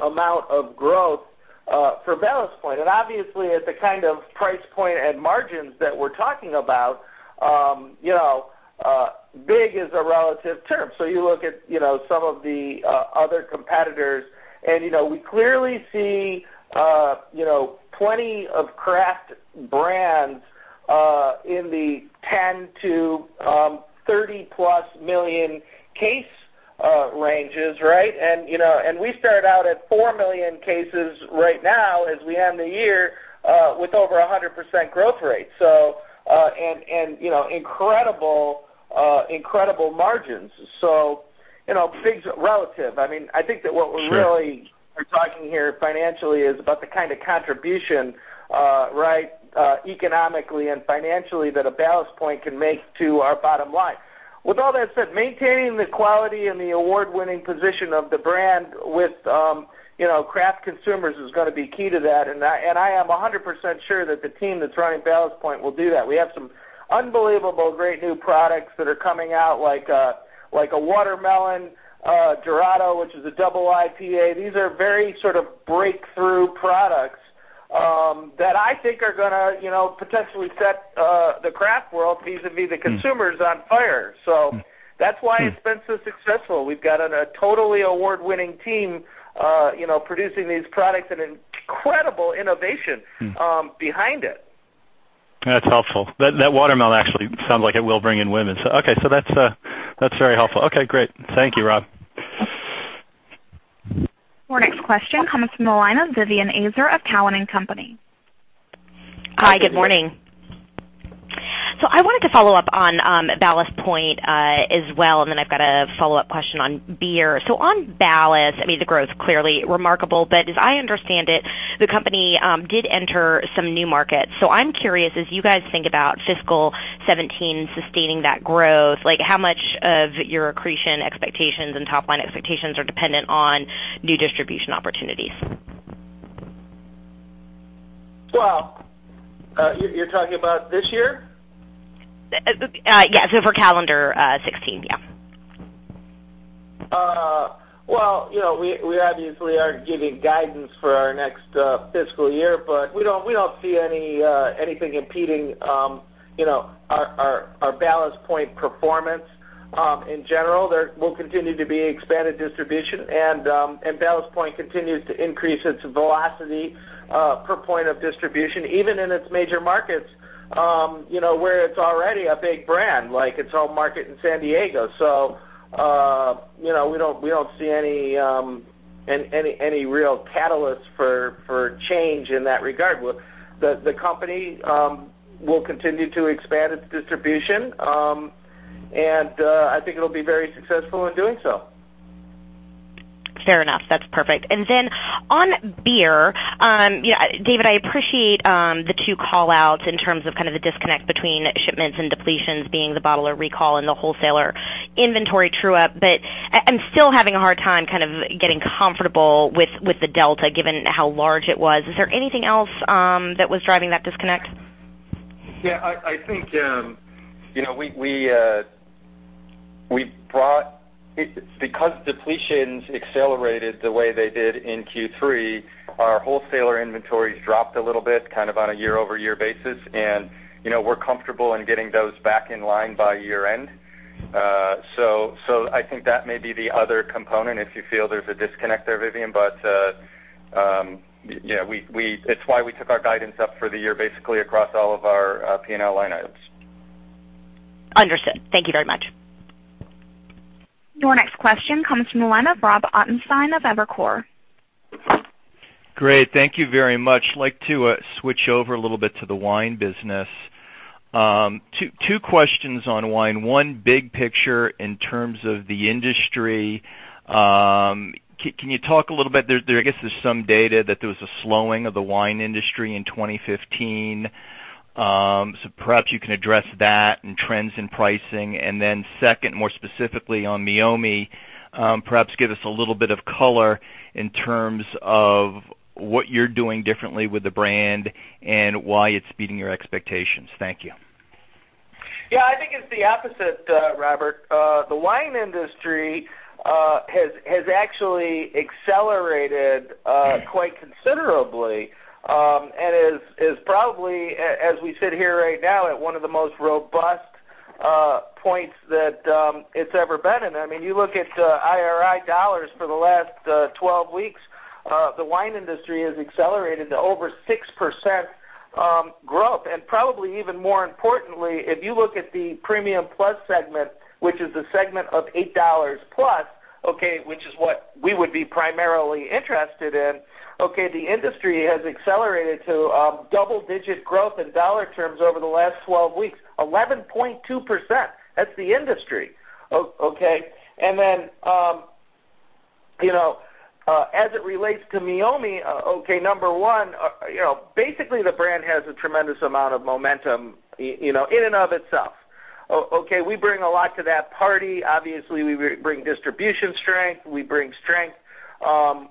amount of growth for Ballast Point. Obviously, at the kind of price point and margins that we're talking about, big is a relative term. You look at some of the other competitors, and we clearly see plenty of craft brands in the 10 million-30-plus million case ranges, right? We start out at four million cases right now as we end the year with over 100% growth rate, and incredible margins. Big's relative. I think that what we really Sure are talking here financially is about the kind of contribution, right, economically and financially that a Ballast Point can make to our bottom line. With all that said, maintaining the quality and the award-winning position of the brand with craft consumers is going to be key to that, and I am 100% sure that the team that's running Ballast Point will do that. We have some unbelievable, great new products that are coming out, like a Watermelon Dorado, which is a double IPA. These are very sort of breakthrough products that I think are going to potentially set the craft world, vis-a-vis the consumers, on fire. That's why it's been so successful. We've got a totally award-winning team producing these products and incredible innovation behind it. That's helpful. That watermelon actually sounds like it will bring in women. Okay. That's very helpful. Okay, great. Thank you, Rob. Our next question comes from the line of Vivien Azer of Cowen and Company. Hi, good morning. I wanted to follow up on Ballast Point as well, and then I've got a follow-up question on beer. On Ballast, the growth clearly remarkable, but as I understand it, the company did enter some new markets. I'm curious, as you guys think about FY 2017 sustaining that growth, how much of your accretion expectations and top-line expectations are dependent on new distribution opportunities? Well, you're talking about this year? Yes, for calendar 2016, yeah. Well, we obviously aren't giving guidance for our next fiscal year, but we don't see anything impeding our Ballast Point performance in general. There will continue to be expanded distribution, and Ballast Point continues to increase its velocity per point of distribution, even in its major markets where it's already a big brand, like its home market in San Diego. We don't see any real catalyst for change in that regard. The company will continue to expand its distribution, and I think it'll be very successful in doing so. Fair enough. That's perfect. Then on beer, David, I appreciate the two call-outs in terms of kind of the disconnect between shipments and depletions being the bottler recall and the wholesaler inventory true-up. I'm still having a hard time kind of getting comfortable with the delta, given how large it was. Is there anything else that was driving that disconnect? Yeah, I think, because depletions accelerated the way they did in Q3, our wholesaler inventories dropped a little bit on a year-over-year basis, and we're comfortable in getting those back in line by year-end. I think that may be the other component, if you feel there's a disconnect there, Vivien. It's why we took our guidance up for the year, basically across all of our P&L line items. Understood. Thank you very much. Your next question comes from the line of Robert Ottenstein of Evercore. Great. Thank you very much. I'd like to switch over a little bit to the wine business. Two questions on wine. One, big picture in terms of the industry, can you talk a little bit, I guess there's some data that there was a slowing of the wine industry in 2015. Perhaps you can address that and trends in pricing. Then second, more specifically on Meiomi, perhaps give us a little bit of color in terms of what you're doing differently with the brand and why it's beating your expectations. Thank you. I think it's the opposite, Robert. The wine industry has actually accelerated quite considerably, and is probably, as we sit here right now, at one of the most robust points that it's ever been in. You look at IRI dollars for the last 12 weeks, the wine industry has accelerated to over 6% growth. Probably even more importantly, if you look at the premium plus segment, which is the segment of $8 plus, which is what we would be primarily interested in, the industry has accelerated to double-digit growth in dollar terms over the last 12 weeks, 11.2%. That's the industry. As it relates to Meiomi, number one, basically the brand has a tremendous amount of momentum, in and of itself. We bring a lot to that party. Obviously, we bring distribution strength. We bring strength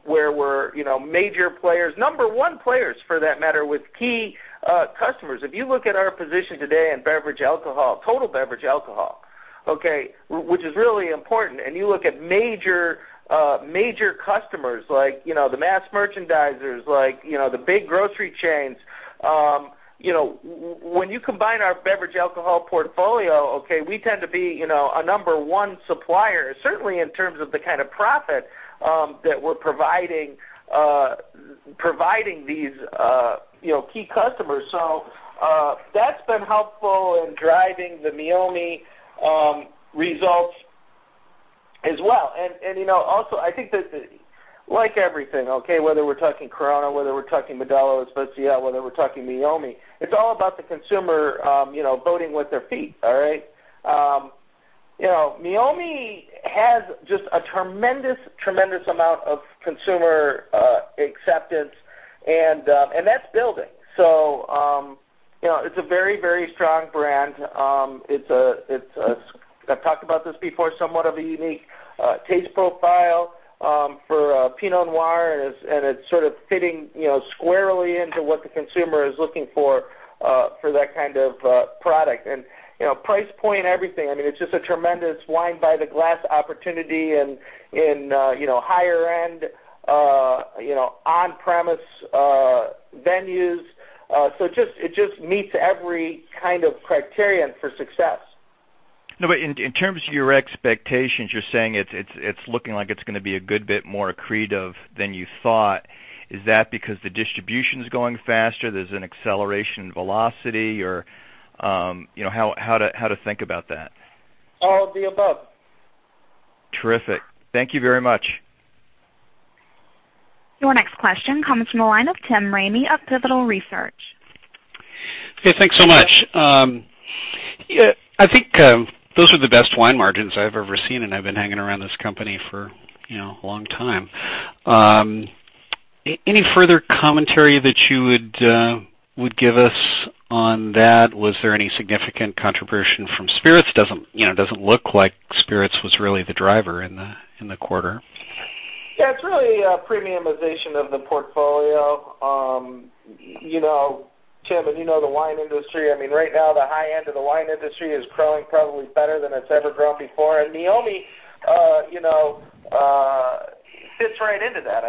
where we're major players, number one players for that matter, with key customers. If you look at our position today in beverage alcohol, total beverage alcohol, which is really important, and you look at major customers like the mass merchandisers, like the big grocery chains, when you combine our beverage alcohol portfolio, we tend to be a number one supplier, certainly in terms of the kind of profit that we're providing these key customers. That's been helpful in driving the Meiomi results as well. Also, I think that like everything, whether we're talking Corona, whether we're talking Modelo Especial, whether we're talking Meiomi, it's all about the consumer voting with their feet. All right? Meiomi has just a tremendous amount of consumer acceptance, and that's building. It's a very strong brand. I've talked about this before, somewhat of a unique taste profile for Pinot Noir, and it's sort of fitting squarely into what the consumer is looking for that kind of product. Price point, everything, it's just a tremendous wine by the glass opportunity in higher end on-premise venues. It just meets every kind of criterion for success. In terms of your expectations, you're saying it's looking like it's going to be a good bit more accretive than you thought. Is that because the distribution's going faster, there's an acceleration in velocity? How to think about that? All of the above. Terrific. Thank you very much. Your next question comes from the line of Tim Ramey of Pivotal Research. Hey, thanks so much. I think those are the best wine margins I've ever seen, and I've been hanging around this company for a long time. Any further commentary that you would give us on that? Was there any significant contribution from spirits? Doesn't look like spirits was really the driver in the quarter. Yeah, it's really a premiumization of the portfolio, Tim. You know the wine industry, right now the high end of the wine industry is growing probably better than it's ever grown before. Meiomi fits right into that.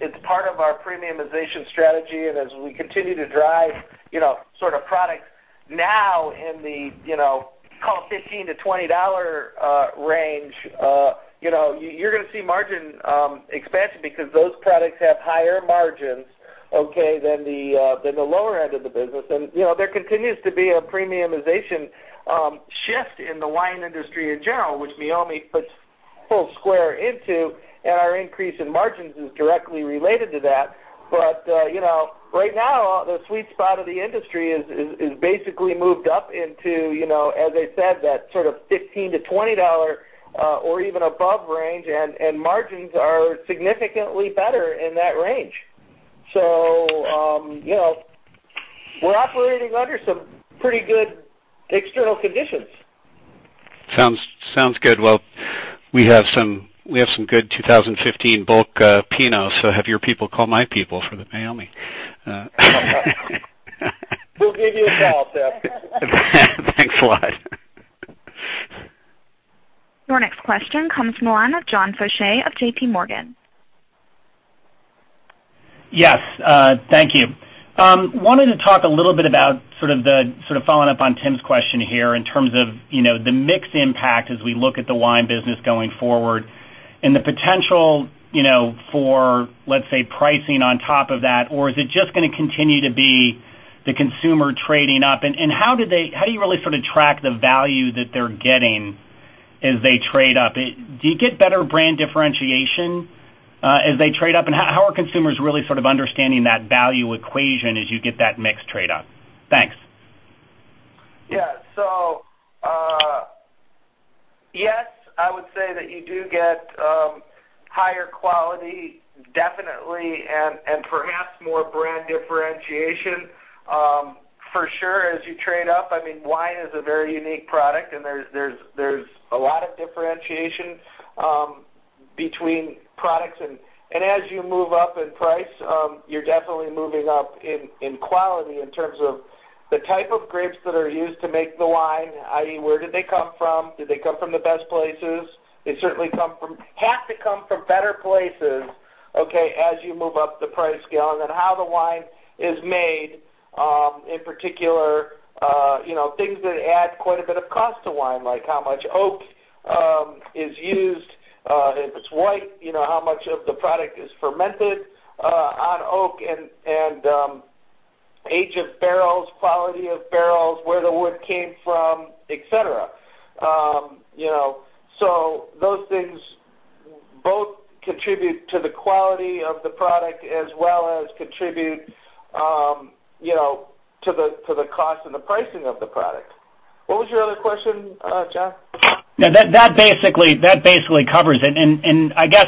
It's part of our premiumization strategy. As we continue to drive sort of products now in the, call it $15-$20 range, you're going to see margin expansion because those products have higher margins, okay, than the lower end of the business. There continues to be a premiumization shift in the wine industry in general, which Meiomi fits full square into, and our increase in margins is directly related to that. Right now, the sweet spot of the industry is basically moved up into, as I said, that sort of $15-$20 or even above range, and margins are significantly better in that range. We're operating under some pretty good external conditions. Sounds good. Well, we have some good 2015 bulk Pinot. Have your people call my people for the Meiomi. We'll give you a call, Tim. Thanks a lot. Your next question comes from the line of John Faucher of J.P. Morgan. Yes. Thank you. Wanted to talk a little bit about following up on Tim's question here in terms of the mix impact as we look at the wine business going forward, and the potential for, let's say, pricing on top of that, or is it just going to continue to be the consumer trading up? How do you really sort of track the value that they're getting as they trade up? Do you get better brand differentiation as they trade up? How are consumers really sort of understanding that value equation as you get that mix trade up? Thanks. Yeah. Yes, I would say that you do get higher quality, definitely, and perhaps more brand differentiation. For sure, as you trade up, wine is a very unique product, and there's a lot of differentiation between products. As you move up in price, you're definitely moving up in quality in terms of the type of grapes that are used to make the wine, i.e., where did they come from? Did they come from the best places? They certainly have to come from better places as you move up the price scale, and then how the wine is made, in particular, things that add quite a bit of cost to wine, like how much oak is used. If it's white, how much of the product is fermented on oak, and age of barrels, quality of barrels, where the wood came from, et cetera. Those things both contribute to the quality of the product as well as contribute to the cost and the pricing of the product. What was your other question, John? That basically covers it. I guess,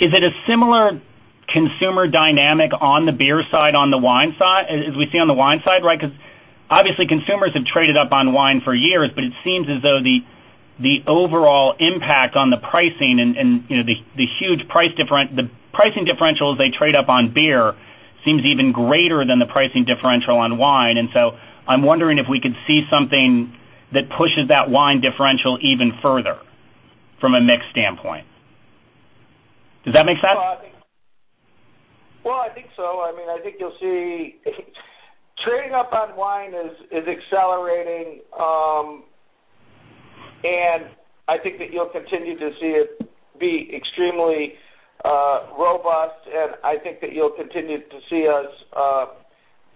is it a similar consumer dynamic as we see on the wine side? Obviously consumers have traded up on wine for years, but it seems as though the overall impact on the pricing and the pricing differentials they trade up on beer seems even greater than the pricing differential on wine. I'm wondering if we could see something that pushes that wine differential even further from a mix standpoint. Does that make sense? Well, I think so. I think you'll see trading up on wine is accelerating, and I think that you'll continue to see it be extremely robust, and I think that you'll continue to see us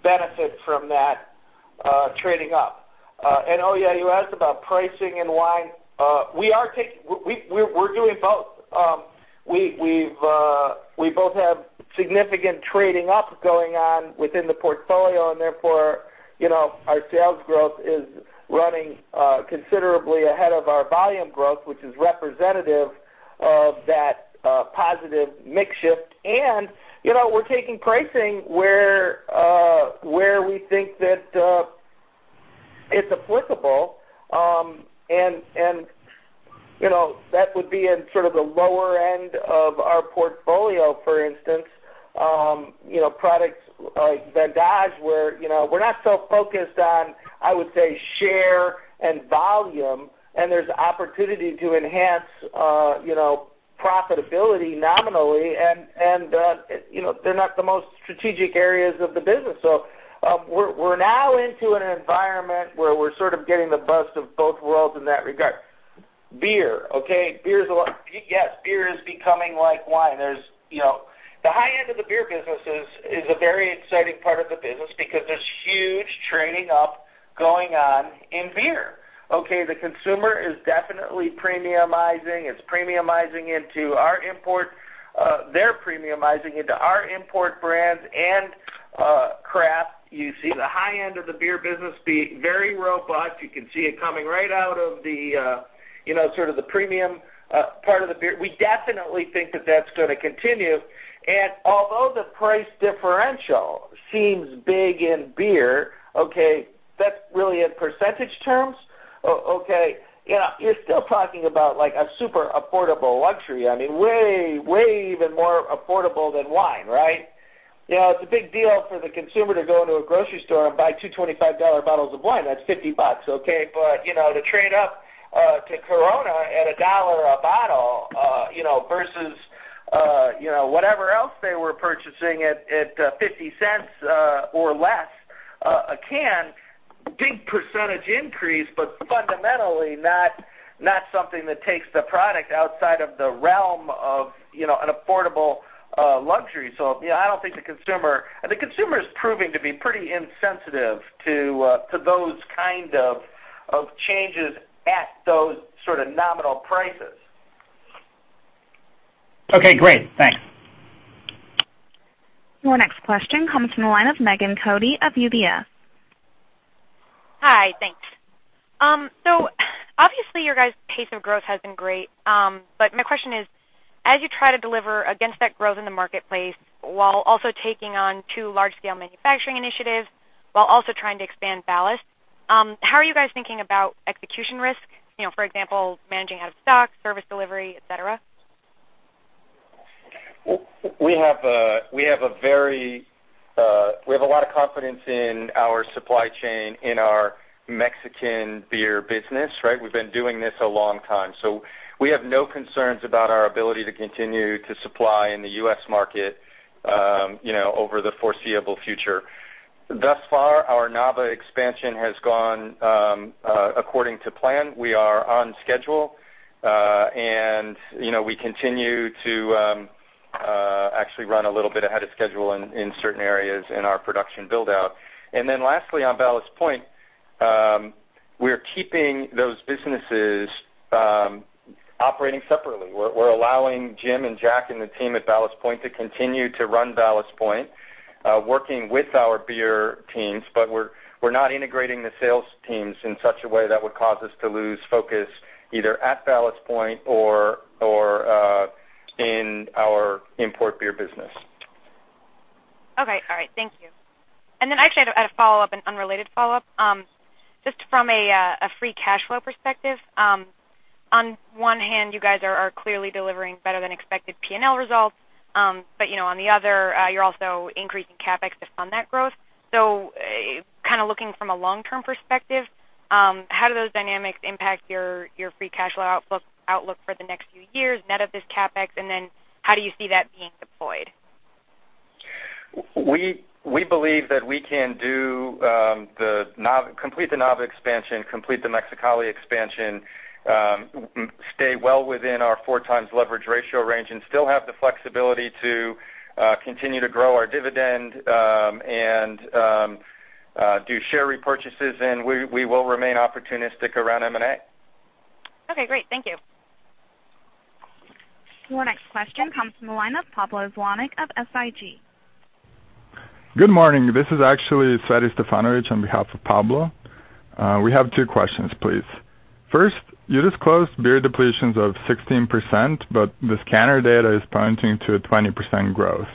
benefit from that trading up. Oh, yeah, you asked about pricing and wine. We're doing both. We both have significant trading up going on within the portfolio, and therefore our sales growth is running considerably ahead of our volume growth, which is representative of that positive mix shift. We're taking pricing where we think that it's applicable, and that would be in sort of the lower end of our portfolio, for instance, products like Vendange where we're not so focused on, I would say, share and volume, and there's opportunity to enhance profitability nominally, and they're not the most strategic areas of the business. We're now into an environment where we're sort of getting the best of both worlds in that regard. Beer, okay? Yes, beer is becoming like wine. The high end of the beer business is a very exciting part of the business because there's huge trading up going on in beer, okay? The consumer is definitely premiumizing. It's premiumizing into our import. They're premiumizing into our import brands and craft. You see the high end of the beer business be very robust. You can see it coming right out of the premium part of the beer. We definitely think that that's going to continue, although the price differential seems big in beer, that's really in percentage terms, okay? You're still talking about a super affordable luxury. Way even more affordable than wine, right? It's a big deal for the consumer to go into a grocery store and buy two $25 bottles of wine. That's $50, okay? To trade up to Corona at $1 a bottle versus whatever else they were purchasing at $0.50 or less a can, big percentage increase, but fundamentally not something that takes the product outside of the realm of an affordable luxury. I don't think the consumer's proving to be pretty insensitive to those kind of changes at those sort of nominal prices. Okay, great. Thanks. Your next question comes from the line of Nik Modi of UBS. Hi, thanks. Obviously your guys' pace of growth has been great. My question is, as you try to deliver against that growth in the marketplace while also taking on two large-scale manufacturing initiatives while also trying to expand Ballast. How are you guys thinking about execution risk? For example, managing out-of-stock, service delivery, et cetera. We have a lot of confidence in our supply chain in our Mexican beer business, right? We've been doing this a long time. We have no concerns about our ability to continue to supply in the U.S. market over the foreseeable future. Thus far, our Nava expansion has gone according to plan. We are on schedule. We continue to actually run a little bit ahead of schedule in certain areas in our production build-out. Lastly, on Ballast Point, we're keeping those businesses operating separately. We're allowing Jim and Jack and the team at Ballast Point to continue to run Ballast Point, working with our beer teams, but we're not integrating the sales teams in such a way that would cause us to lose focus either at Ballast Point or in our import beer business. Okay. All right. Thank you. Actually, I had a follow-up, an unrelated follow-up. Just from a free cash flow perspective, on one hand, you guys are clearly delivering better than expected P&L results. On the other, you're also increasing CapEx to fund that growth. Kind of looking from a long-term perspective, how do those dynamics impact your free cash flow outlook for the next few years, net of this CapEx, and then how do you see that being deployed? We believe that we can complete the Nava expansion, complete the Mexicali expansion, stay well within our four times leverage ratio range, and still have the flexibility to continue to grow our dividend, and do share repurchases, and we will remain opportunistic around M&A. Okay, great. Thank you. Your next question comes from the line of Pablo Zuanic of SIG. Good morning. This is actually Tzadi Stefanovich on behalf of Pablo. We have two questions, please. First, you disclosed beer depletions of 16%, the scanner data is pointing to a 20% growth.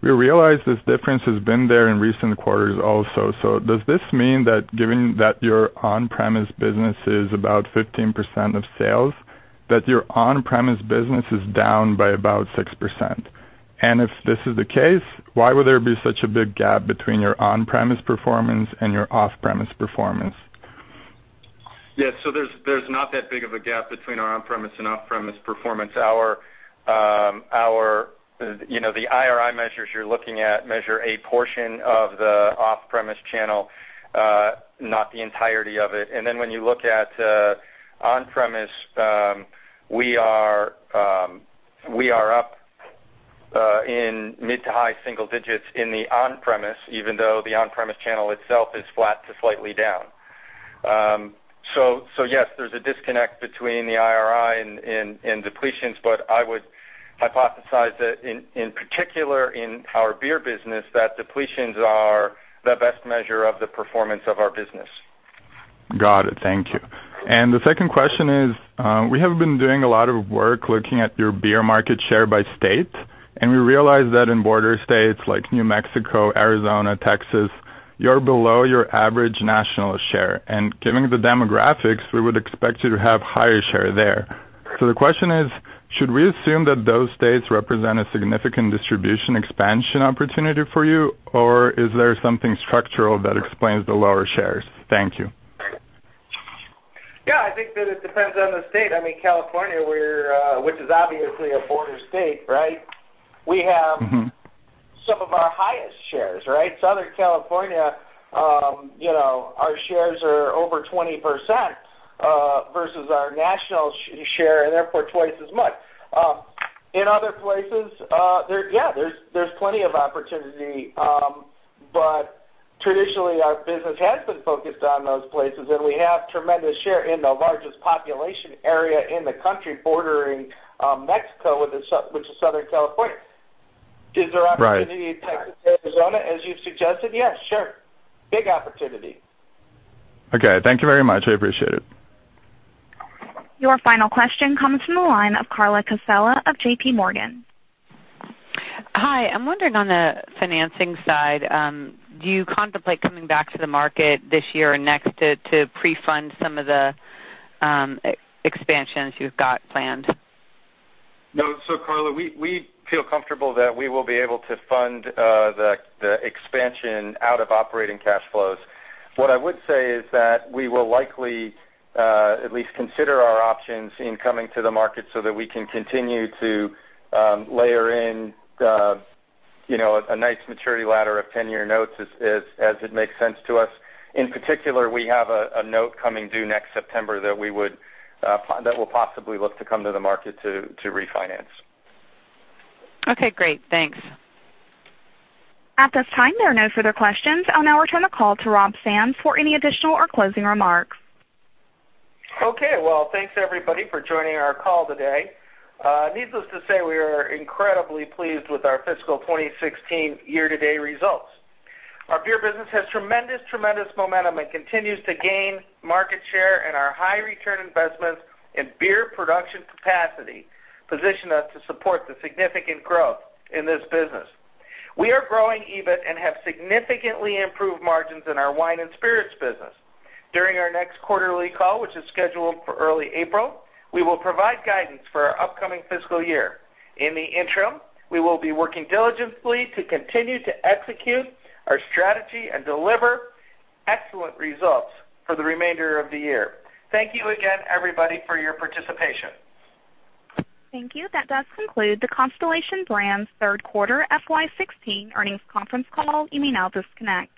We realize this difference has been there in recent quarters also, does this mean that given that your on-premise business is about 15% of sales, that your on-premise business is down by about 6%? If this is the case, why would there be such a big gap between your on-premise performance and your off-premise performance? There's not that big of a gap between our on-premise and off-premise performance. The IRI measures you're looking at measure a portion of the off-premise channel, not the entirety of it. When you look at on-premise, we are up in mid to high single digits in the on-premise, even though the on-premise channel itself is flat to slightly down. Yes, there's a disconnect between the IRI and depletions, I would hypothesize that in particular in our beer business, that depletions are the best measure of the performance of our business. Got it. Thank you. The second question is, we have been doing a lot of work looking at your beer market share by state, we realize that in border states like New Mexico, Arizona, Texas, you're below your average national share. Given the demographics, we would expect you to have higher share there. The question is, should we assume that those states represent a significant distribution expansion opportunity for you, or is there something structural that explains the lower shares? Thank you. Yeah, I think that it depends on the state. California, which is obviously a border state, we have some of our highest shares, right? Southern California, our shares are over 20%, versus our national share, and therefore, twice as much. In other places, yeah, there's plenty of opportunity, but traditionally, our business has been focused on those places, and we have tremendous share in the largest population area in the country bordering Mexico, which is Southern California. Is there opportunity in Texas, Arizona, as you've suggested? Yes, sure. Big opportunity. Okay. Thank you very much. I appreciate it. Your final question comes from the line of Carla Casella of J.P. Morgan. Hi. I'm wondering on the financing side, do you contemplate coming back to the market this year or next to pre-fund some of the expansions you've got planned? No. Carla, we feel comfortable that we will be able to fund the expansion out of operating cash flows. What I would say is that we will likely at least consider our options in coming to the market so that we can continue to layer in a nice maturity ladder of 10-year notes as it makes sense to us. In particular, we have a note coming due next September that we'll possibly look to come to the market to refinance. Okay, great. Thanks. At this time, there are no further questions. I'll now return the call to Rob Sands for any additional or closing remarks. Okay. Well, thanks everybody for joining our call today. Needless to say, we are incredibly pleased with our fiscal 2016 year-to-date results. Our beer business has tremendous momentum and continues to gain market share and our high return investments and beer production capacity position us to support the significant growth in this business. We are growing EBIT and have significantly improved margins in our wine and spirits business. During our next quarterly call, which is scheduled for early April, we will provide guidance for our upcoming fiscal year. In the interim, we will be working diligently to continue to execute our strategy and deliver excellent results for the remainder of the year. Thank you again, everybody, for your participation. Thank you. That does conclude the Constellation Brands third quarter FY 2016 earnings conference call. You may now disconnect.